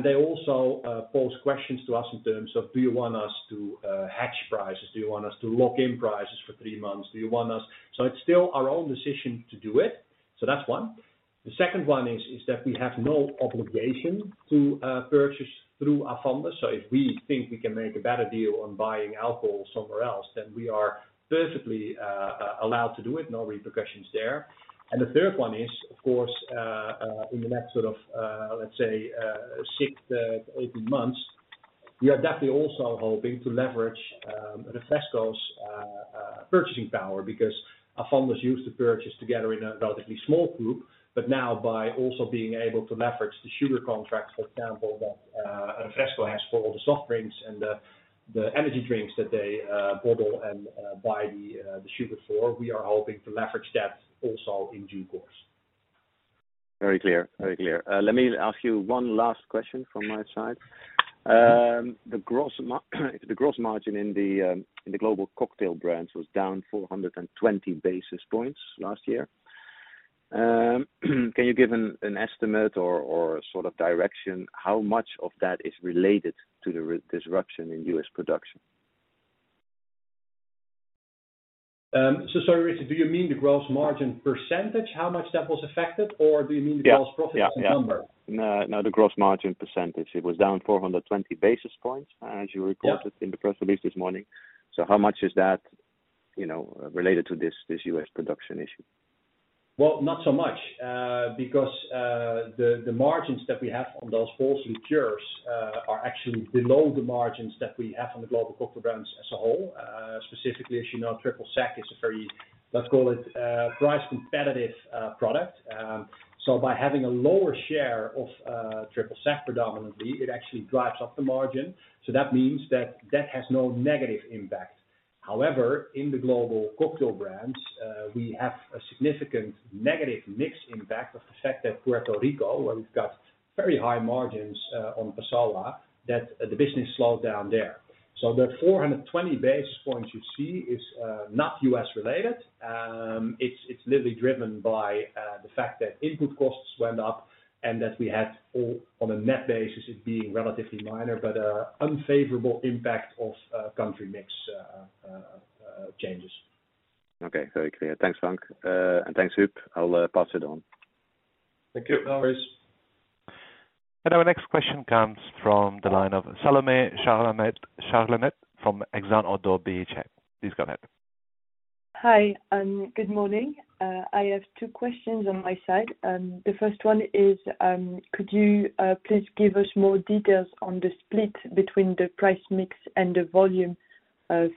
They also pose questions to us in terms of: Do you want us to hedge prices? Do you want us to lock in prices for three months? It's still our own decision to do it. That's one. The second one is that we have no obligation to purchase through Avandis. If we think we can make a better deal on buying alcohol somewhere else, we are perfectly allowed to do it. No repercussions there. The third one is, of course, in the next sort of, let's say, 6-18 months, we are definitely also hoping to leverage Refresco's purchasing power, because Avandis used to purchase together in a relatively small group. Now by also being able to leverage the sugar contract, for example, that Refresco has for all the soft drinks and the energy drinks that they bottle and buy the sugar for, we are hoping to leverage that also in due course. Very clear. Very clear. Let me ask you one last question from my side. The gross margin in the global cocktail brands was down 420 basis points last year. Can you give an estimate or sort of direction, how much of that is related to the disruption in U.S. production? Sorry, Richard, do you mean the gross margin %, how much that was affected? Yeah. Profit as a number? No, no, the gross margin percentage. It was down 420 basis points, as you reported. Yeah... in the press release this morning. How much is that, you know, related to this US production issue? Not so much, because the margins that we have on those Bols Liqueurs are actually below the margins that we have on the global cocktail brands as a whole. Specifically, as you know, Triple Sec is a very, let's call it, price competitive product. By having a lower share of Triple Sec, predominantly, it actually drives up the margin. That means that that has no negative impact. In the global cocktail brands, we have a significant negative mix impact of the fact that Puerto Rico, where we've got very high margins, on Passoã, that the business slowed down there. The 420 basis points you see is not U.S. related. It's literally driven by the fact that input costs went up and that we had all on a net basis, it being relatively minor, but a unfavorable impact of country mix changes. Okay. Very clear. Thanks, Frank. Thanks, Huub. I'll pass it on. Thank you, Chris. Our next question comes from the line of Salomé Zaksman from Exane BNP Paribas. Please go ahead. Hi, good morning. I have two questions on my side. The first one is, could you please give us more details on the split between the price mix and the volume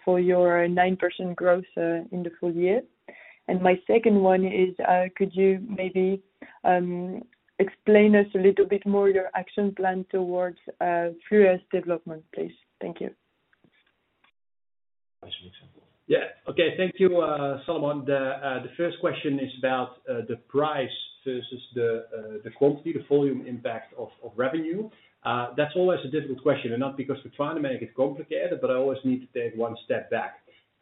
for your 9% growth in the full year? My second one is, could you maybe explain us a little bit more your action plan towards Fluère's development, please? Thank you. Yeah. Okay. Thank you, Salomé. The first question is about the price versus the quantity, the volume impact of revenue. That's always a difficult question, not because we're trying to make it complicated, but I always need to take one step back.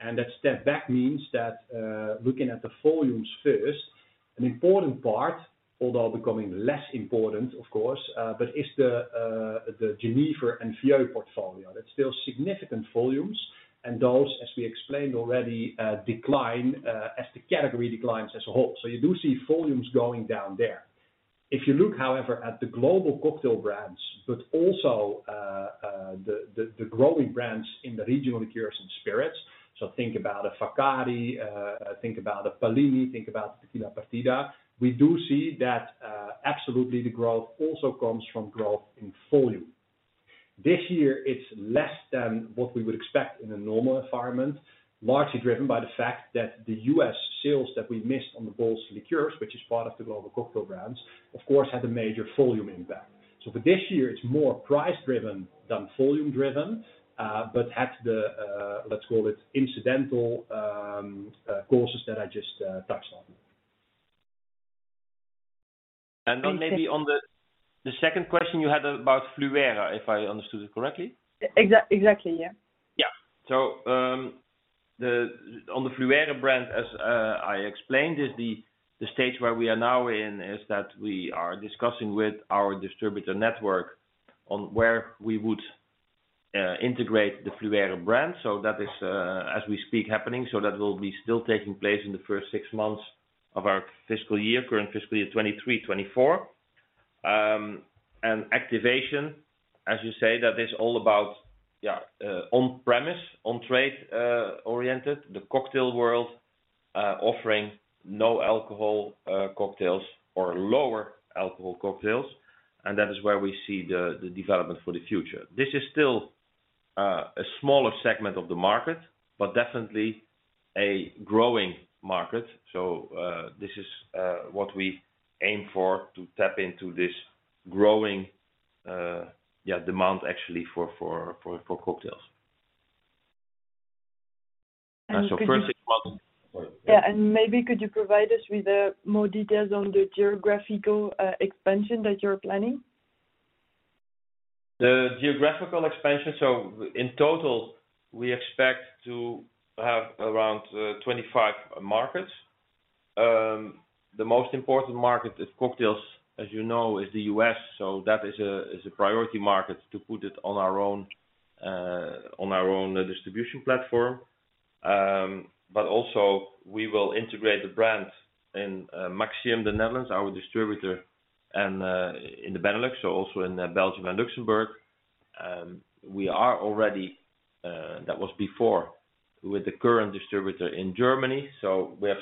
That step back means that, looking at the volumes first, an important part, although becoming less important, of course, but is the Genever and Fiorito portfolio. That's still significant volumes, and those, as we explained already, decline as the category declines as a whole. You do see volumes going down there. If you look, however, at the global cocktail brands, also the growing brands in the regional liqueurs and spirits, so think about a Pallini, think about Pallini, think about Tequila Partida, we do see that absolutely the growth also comes from growth in volume. This year it's less than what we would expect in a normal environment, largely driven by the fact that the U.S. sales that we missed on the Bols Liqueurs, which is part of the global cocktail brands, of course, had a major volume impact. For this year, it's more price driven than volume driven, but had the, let's call it, incidental courses that I just touched on. Thank you. maybe on the second question you had about Fluère, if I understood it correctly? Exactly, yeah. On the Fluère brand, as I explained, is the stage where we are now in, is that we are discussing with our distributor network on where we would integrate the Fluère brand. That is, as we speak, happening, that will be still taking place in the first 6 months of our fiscal year, current fiscal year, 2023, 2024. Activation, as you say, that is all about, yeah, on premise, on trade, oriented, the cocktail world, offering no alcohol cocktails or lower alcohol cocktails. That is where we see the development for the future. This is still a smaller segment of the market, definitely a growing market. This is what we aim for, to tap into this growing, yeah, demand actually for cocktails. And so- first thing. Yeah, maybe could you provide us with, more details on the geographical, expansion that you're planning? The geographical expansion, in total, we expect to have around 25 markets. The most important market is cocktails, as you know, is the U.S., that is a priority market to put it on our own distribution platform. Also we will integrate the brands in Maxxium, the Netherlands, our distributor, in the Benelux, also in Belgium and Luxembourg. We are already, that was before, with the current distributor in Germany. We have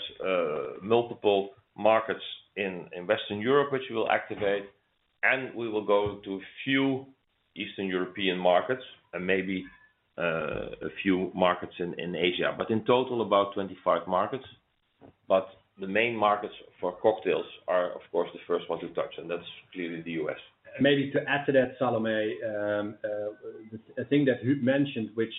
multiple markets in Western Europe, which we will activate, and we will go to a few Eastern European markets and maybe a few markets in Asia. In total, about 25 markets. The main markets for cocktails are, of course, the first one to touch, and that's clearly the U.S. Maybe to add to that, Salome, the thing that Huub mentioned, which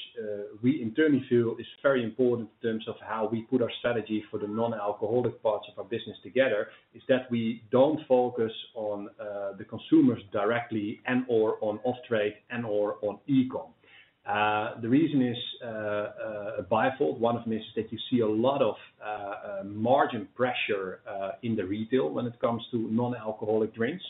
we internally feel is very important in terms of how we put our strategy for the non-alcoholic parts of our business together, is that we don't focus on the consumers directly and/or on off-trade and/or on e-com. The reason is bifold. One of them is that you see a lot of margin pressure in the retail when it comes to non-alcoholic drinks.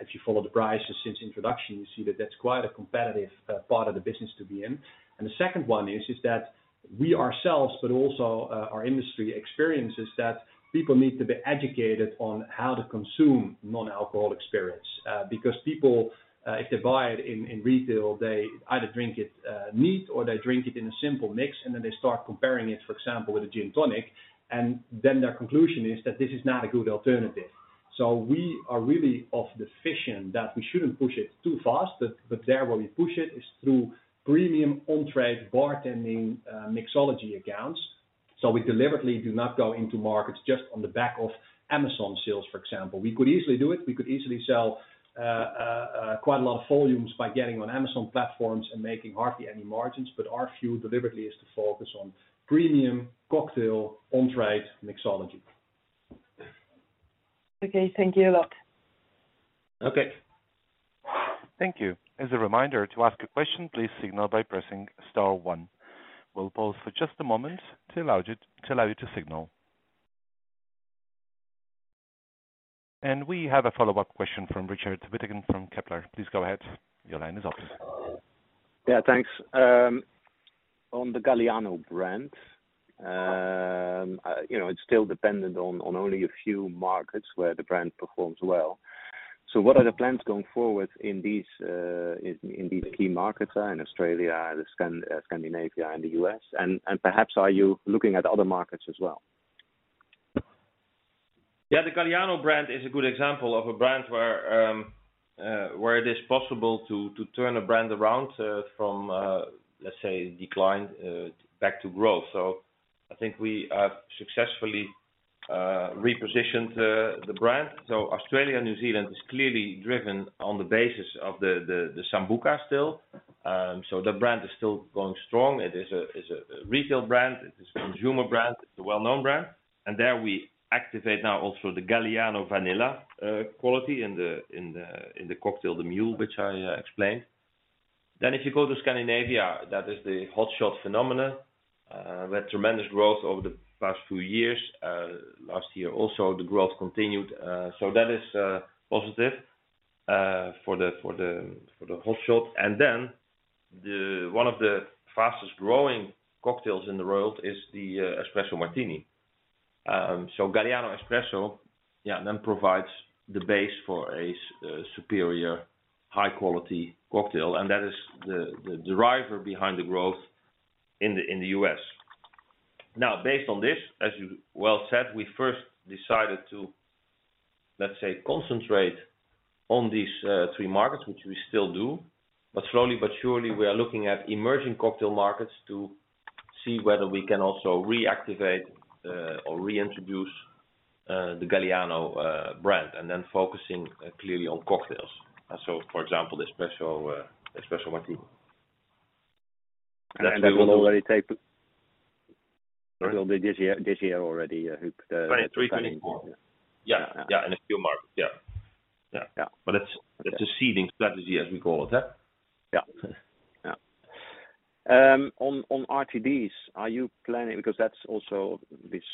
If you follow the prices since introduction, you see that that's quite a competitive part of the business to be in. The second one is that we ourselves, but also our industry experiences, that people need to be educated on how to consume non-alcoholic experience. Because people, if they buy it in retail, they either drink it neat, or they drink it in a simple mix, and then they start comparing it, for example, with a Gin Tonic, and then their conclusion is that this is not a good alternative. We are really of the fission that we shouldn't push it too fast, but there, where we push it, is through premium on-trade bartending, mixology accounts. We deliberately do not go into markets just on the back of Amazon sales, for example. We could easily do it. We could easily sell quite a lot of volumes by getting on Amazon platforms and making hardly any margins, but our view deliberately is to focus on premium cocktail on-trade mixology. Okay. Thank you a lot. Okay. Thank you. As a reminder, to ask a question, please signal by pressing star 1. We'll pause for just a moment to allow you to signal. We have a follow-up question from Richard Withagen from Kepler. Please go ahead. Your line is open. Yeah, thanks. On the Galliano brand, you know, it's still dependent on only a few markets where the brand performs well. What are the plans going forward in these key markets, in Australia, Scandinavia, and the U.S.? Perhaps are you looking at other markets as well? Yeah, the Galliano brand is a good example of a brand where it is possible to turn a brand around from, let's say, decline, back to growth. I think we have successfully repositioned the brand. Australia, New Zealand is clearly driven on the basis of the Sambuca still. The brand is still going strong. It's a retail brand. It's a consumer brand. It's a well-known brand, and there we activate now also the Galliano Vanilla quality in the cocktail, the mule, which I explained. If you go to Scandinavia, that is the hotshot phenomena with tremendous growth over the past few years. Last year also, the growth continued, so that is positive for the Hot Shot. Then the, one of the fastest growing cocktails in the world is the Espresso Martini. Galliano Espresso, yeah, then provides the base for a superior, high quality cocktail, and that is the driver behind the growth in the U.S. Based on this, as you well said, we first decided to, let's say, concentrate on these three markets, which we still do, but slowly but surely, we are looking at emerging cocktail markets to see whether we can also reactivate or reintroduce the Galliano brand, and then focusing clearly on cocktails. For example, the Espresso Martini. that will already take- Sorry? Will be this year, this year already, who. 23, 24. Yeah. Yeah. Yeah, in a few markets. Yeah. Yeah. Yeah. But it's- Okay it's a seeding strategy, as we call it, huh? Yeah. Yeah. On RTDs, that's also,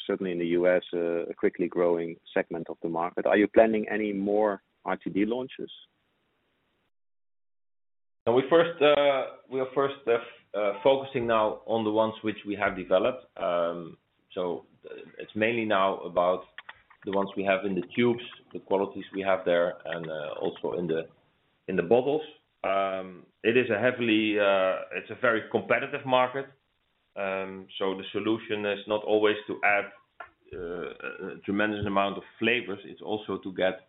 certainly in the U.S., a quickly growing segment of the market. Are you planning any more RTD launches? We first, we are first focusing now on the ones which we have developed. It's mainly now about the ones we have in the tubes, the qualities we have there, and also in the bottles. It's a very competitive market, the solution is not always to add a tremendous amount of flavors. It's also to get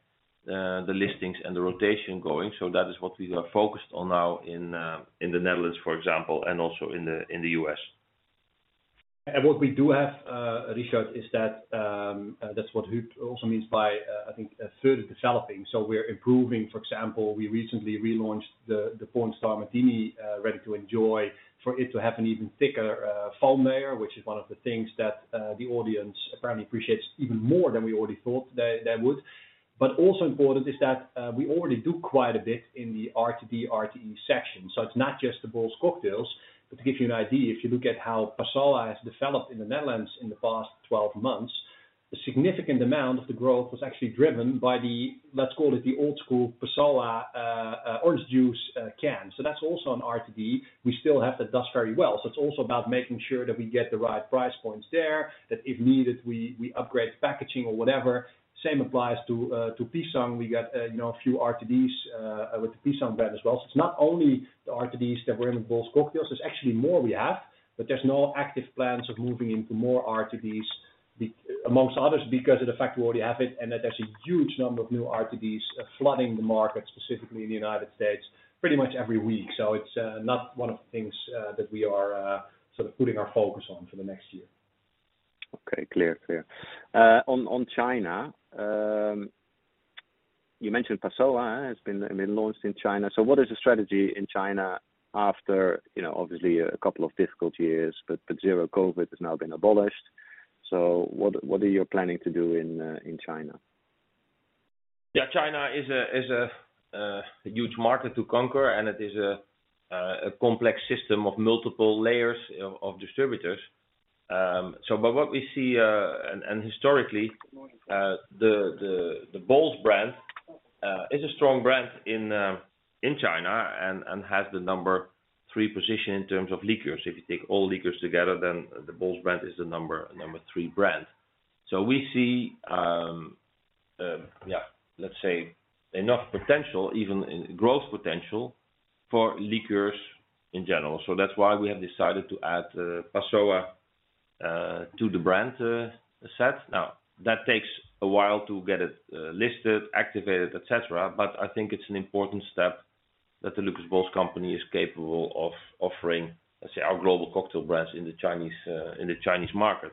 the listings and the rotation going. That is what we are focused on now in the Netherlands, for example, and also in the US. What we do have, Richard, is that's what Huub also means by, I think, further developing. We're improving. For example, we recently relaunched the Pornstar Martini, ready to enjoy, for it to have an even thicker foam layer, which is one of the things that the audience apparently appreciates even more than we already thought they would. Also important is that we already do quite a bit in the RTD, RTE section, so it's not just the Bols Cocktails. To give you an idea, if you look at how Passoã has developed in the Netherlands in the past 12 months, a significant amount of the growth was actually driven by the, let's call it, the old school Passoã orange juice can. That's also an RTD. We still have the dust very well, It's also about making sure that we get the right price points there, that if needed, we upgrade packaging or whatever. Same applies to Pisang. We got, you know, a few RTDs with the Pisang brand as well. It's not only the RTDs that we're in the Bols Cocktails, there's actually more we have, but there's no active plans of moving into more RTDs amongst others, because of the fact we already have it, and that there's a huge number of new RTDs flooding the market, specifically in the United States, pretty much every week. It's not one of the things that we are sort of putting our focus on for the next year. Okay, clear. On China, you mentioned Passoã has been launched in China. What is the strategy in China after, you know, obviously a couple of difficult years, but zero COVID has now been abolished? What are you planning to do in China? Yeah, China is a, is a huge market to conquer, and it is a complex system of multiple layers of distributors. What we see, and historically, the Bols brand is a strong brand in China and has the number three position in terms of liquors. If you take all liquors together, then the Bols brand is the number three brand. We see, yeah, let's say enough potential, even in growth potential for liquors in general. That's why we have decided to add Passoã to the brand set. That takes a while to get it listed, activated, et cetera, but I think it's an important step that the Lucas Bols company is capable of offering, let's say, our global cocktail brands in the Chinese in the Chinese market.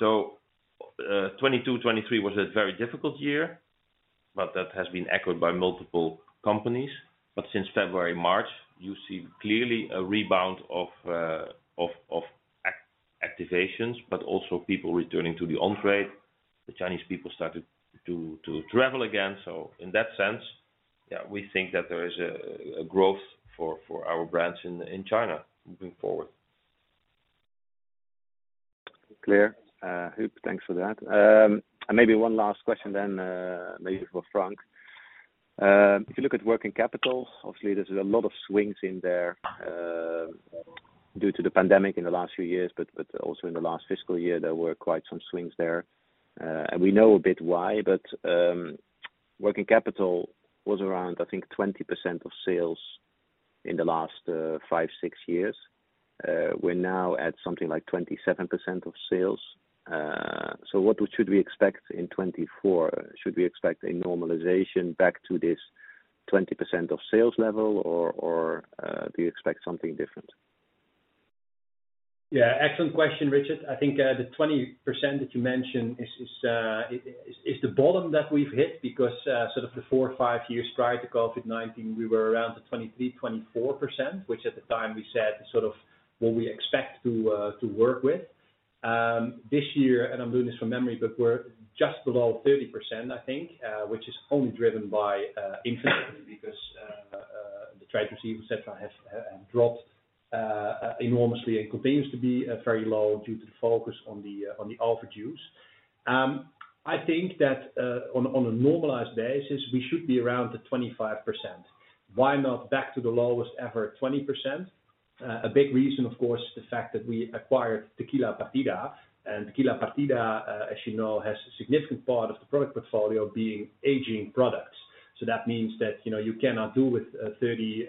2022, 2023 was a very difficult year, but that has been echoed by multiple companies. Since February, March, you see clearly a rebound of activations, but also people returning to the on-trade. The Chinese people started to travel again. In that sense, yeah, we think that there is a growth for our brands in China moving forward. Clear. Huub, thanks for that. Maybe one last question then, maybe for Frank. If you look at working capital, obviously there's a lot of swings in there, due to the pandemic in the last few years, but also in the last fiscal year, there were quite some swings there. We know a bit why, but working capital was around, I think, 20% of sales in the last, 5, 6 years. We're now at something like 27% of sales. What should we expect in 2024? Should we expect a normalization back to this 20% of sales level, or, do you expect something different? Yeah, excellent question, Richard. I think, the 20% that you mentioned is the bottom that we've hit, because, sort of the 4 or 5 years prior to COVID-19, we were around the 23%, 24%, which at the time we said, sort of what we expect to work with. This year, and I'm doing this from memory, but we're just below 30%, I think, which is only driven by inventory, because the trade receive et cetera, have dropped enormously and continues to be very low due to the focus on the on the offer juice. I think that on a normalized basis, we should be around the 25%. Why not back to the lowest ever 20%? A big reason, of course, is the fact that we acquired Tequila Partida, and Tequila Partida, as you know, has a significant part of the product portfolio being aging products. That means that, you know, you cannot do with 30,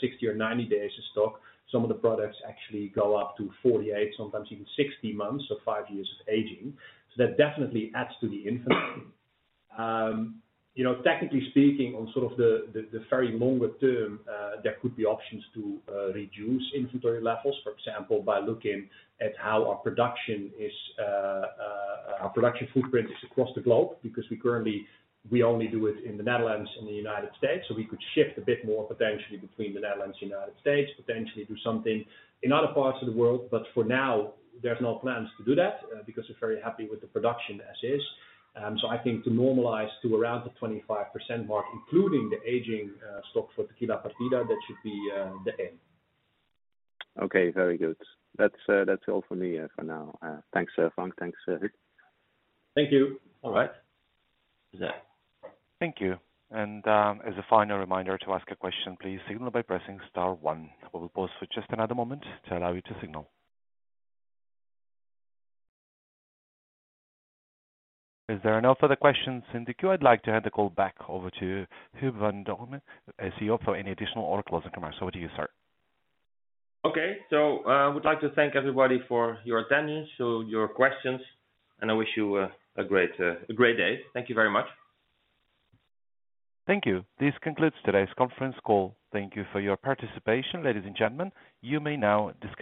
60 or 90 days of stock. Some of the products actually go up to 48, sometimes even 60 months or 5 years of aging. That definitely adds to the inventory. You know, technically speaking, on sort of the very longer term, there could be options to reduce inventory levels, for example, by looking at how our production is, our production footprint is across the globe, because we currently, we only do it in the Netherlands and the United States. We could shift a bit more potentially between the Netherlands and United States, potentially do something in other parts of the world, but for now, there's no plans to do that because we're very happy with the production as is. I think to normalize to around the 25% mark, including the aging stock for Tequila Partida, that should be the aim. Okay, very good. That's all for me for now. Thanks, Frank. Thanks, Huub. Thank you. All right. Thank you. As a final reminder to ask a question, please signal by pressing star one. We will pause for just another moment to allow you to signal. As there are no further questions in the queue, I'd like to hand the call back over to Huub van Doorne, CEO, for any additional or closing comments. Over to you, sir. Okay. I would like to thank everybody for your attendance, so your questions, and I wish you a great day. Thank you very much. Thank you. This concludes today's conference call. Thank you for your participation, ladies and gentlemen. You may now disconnect.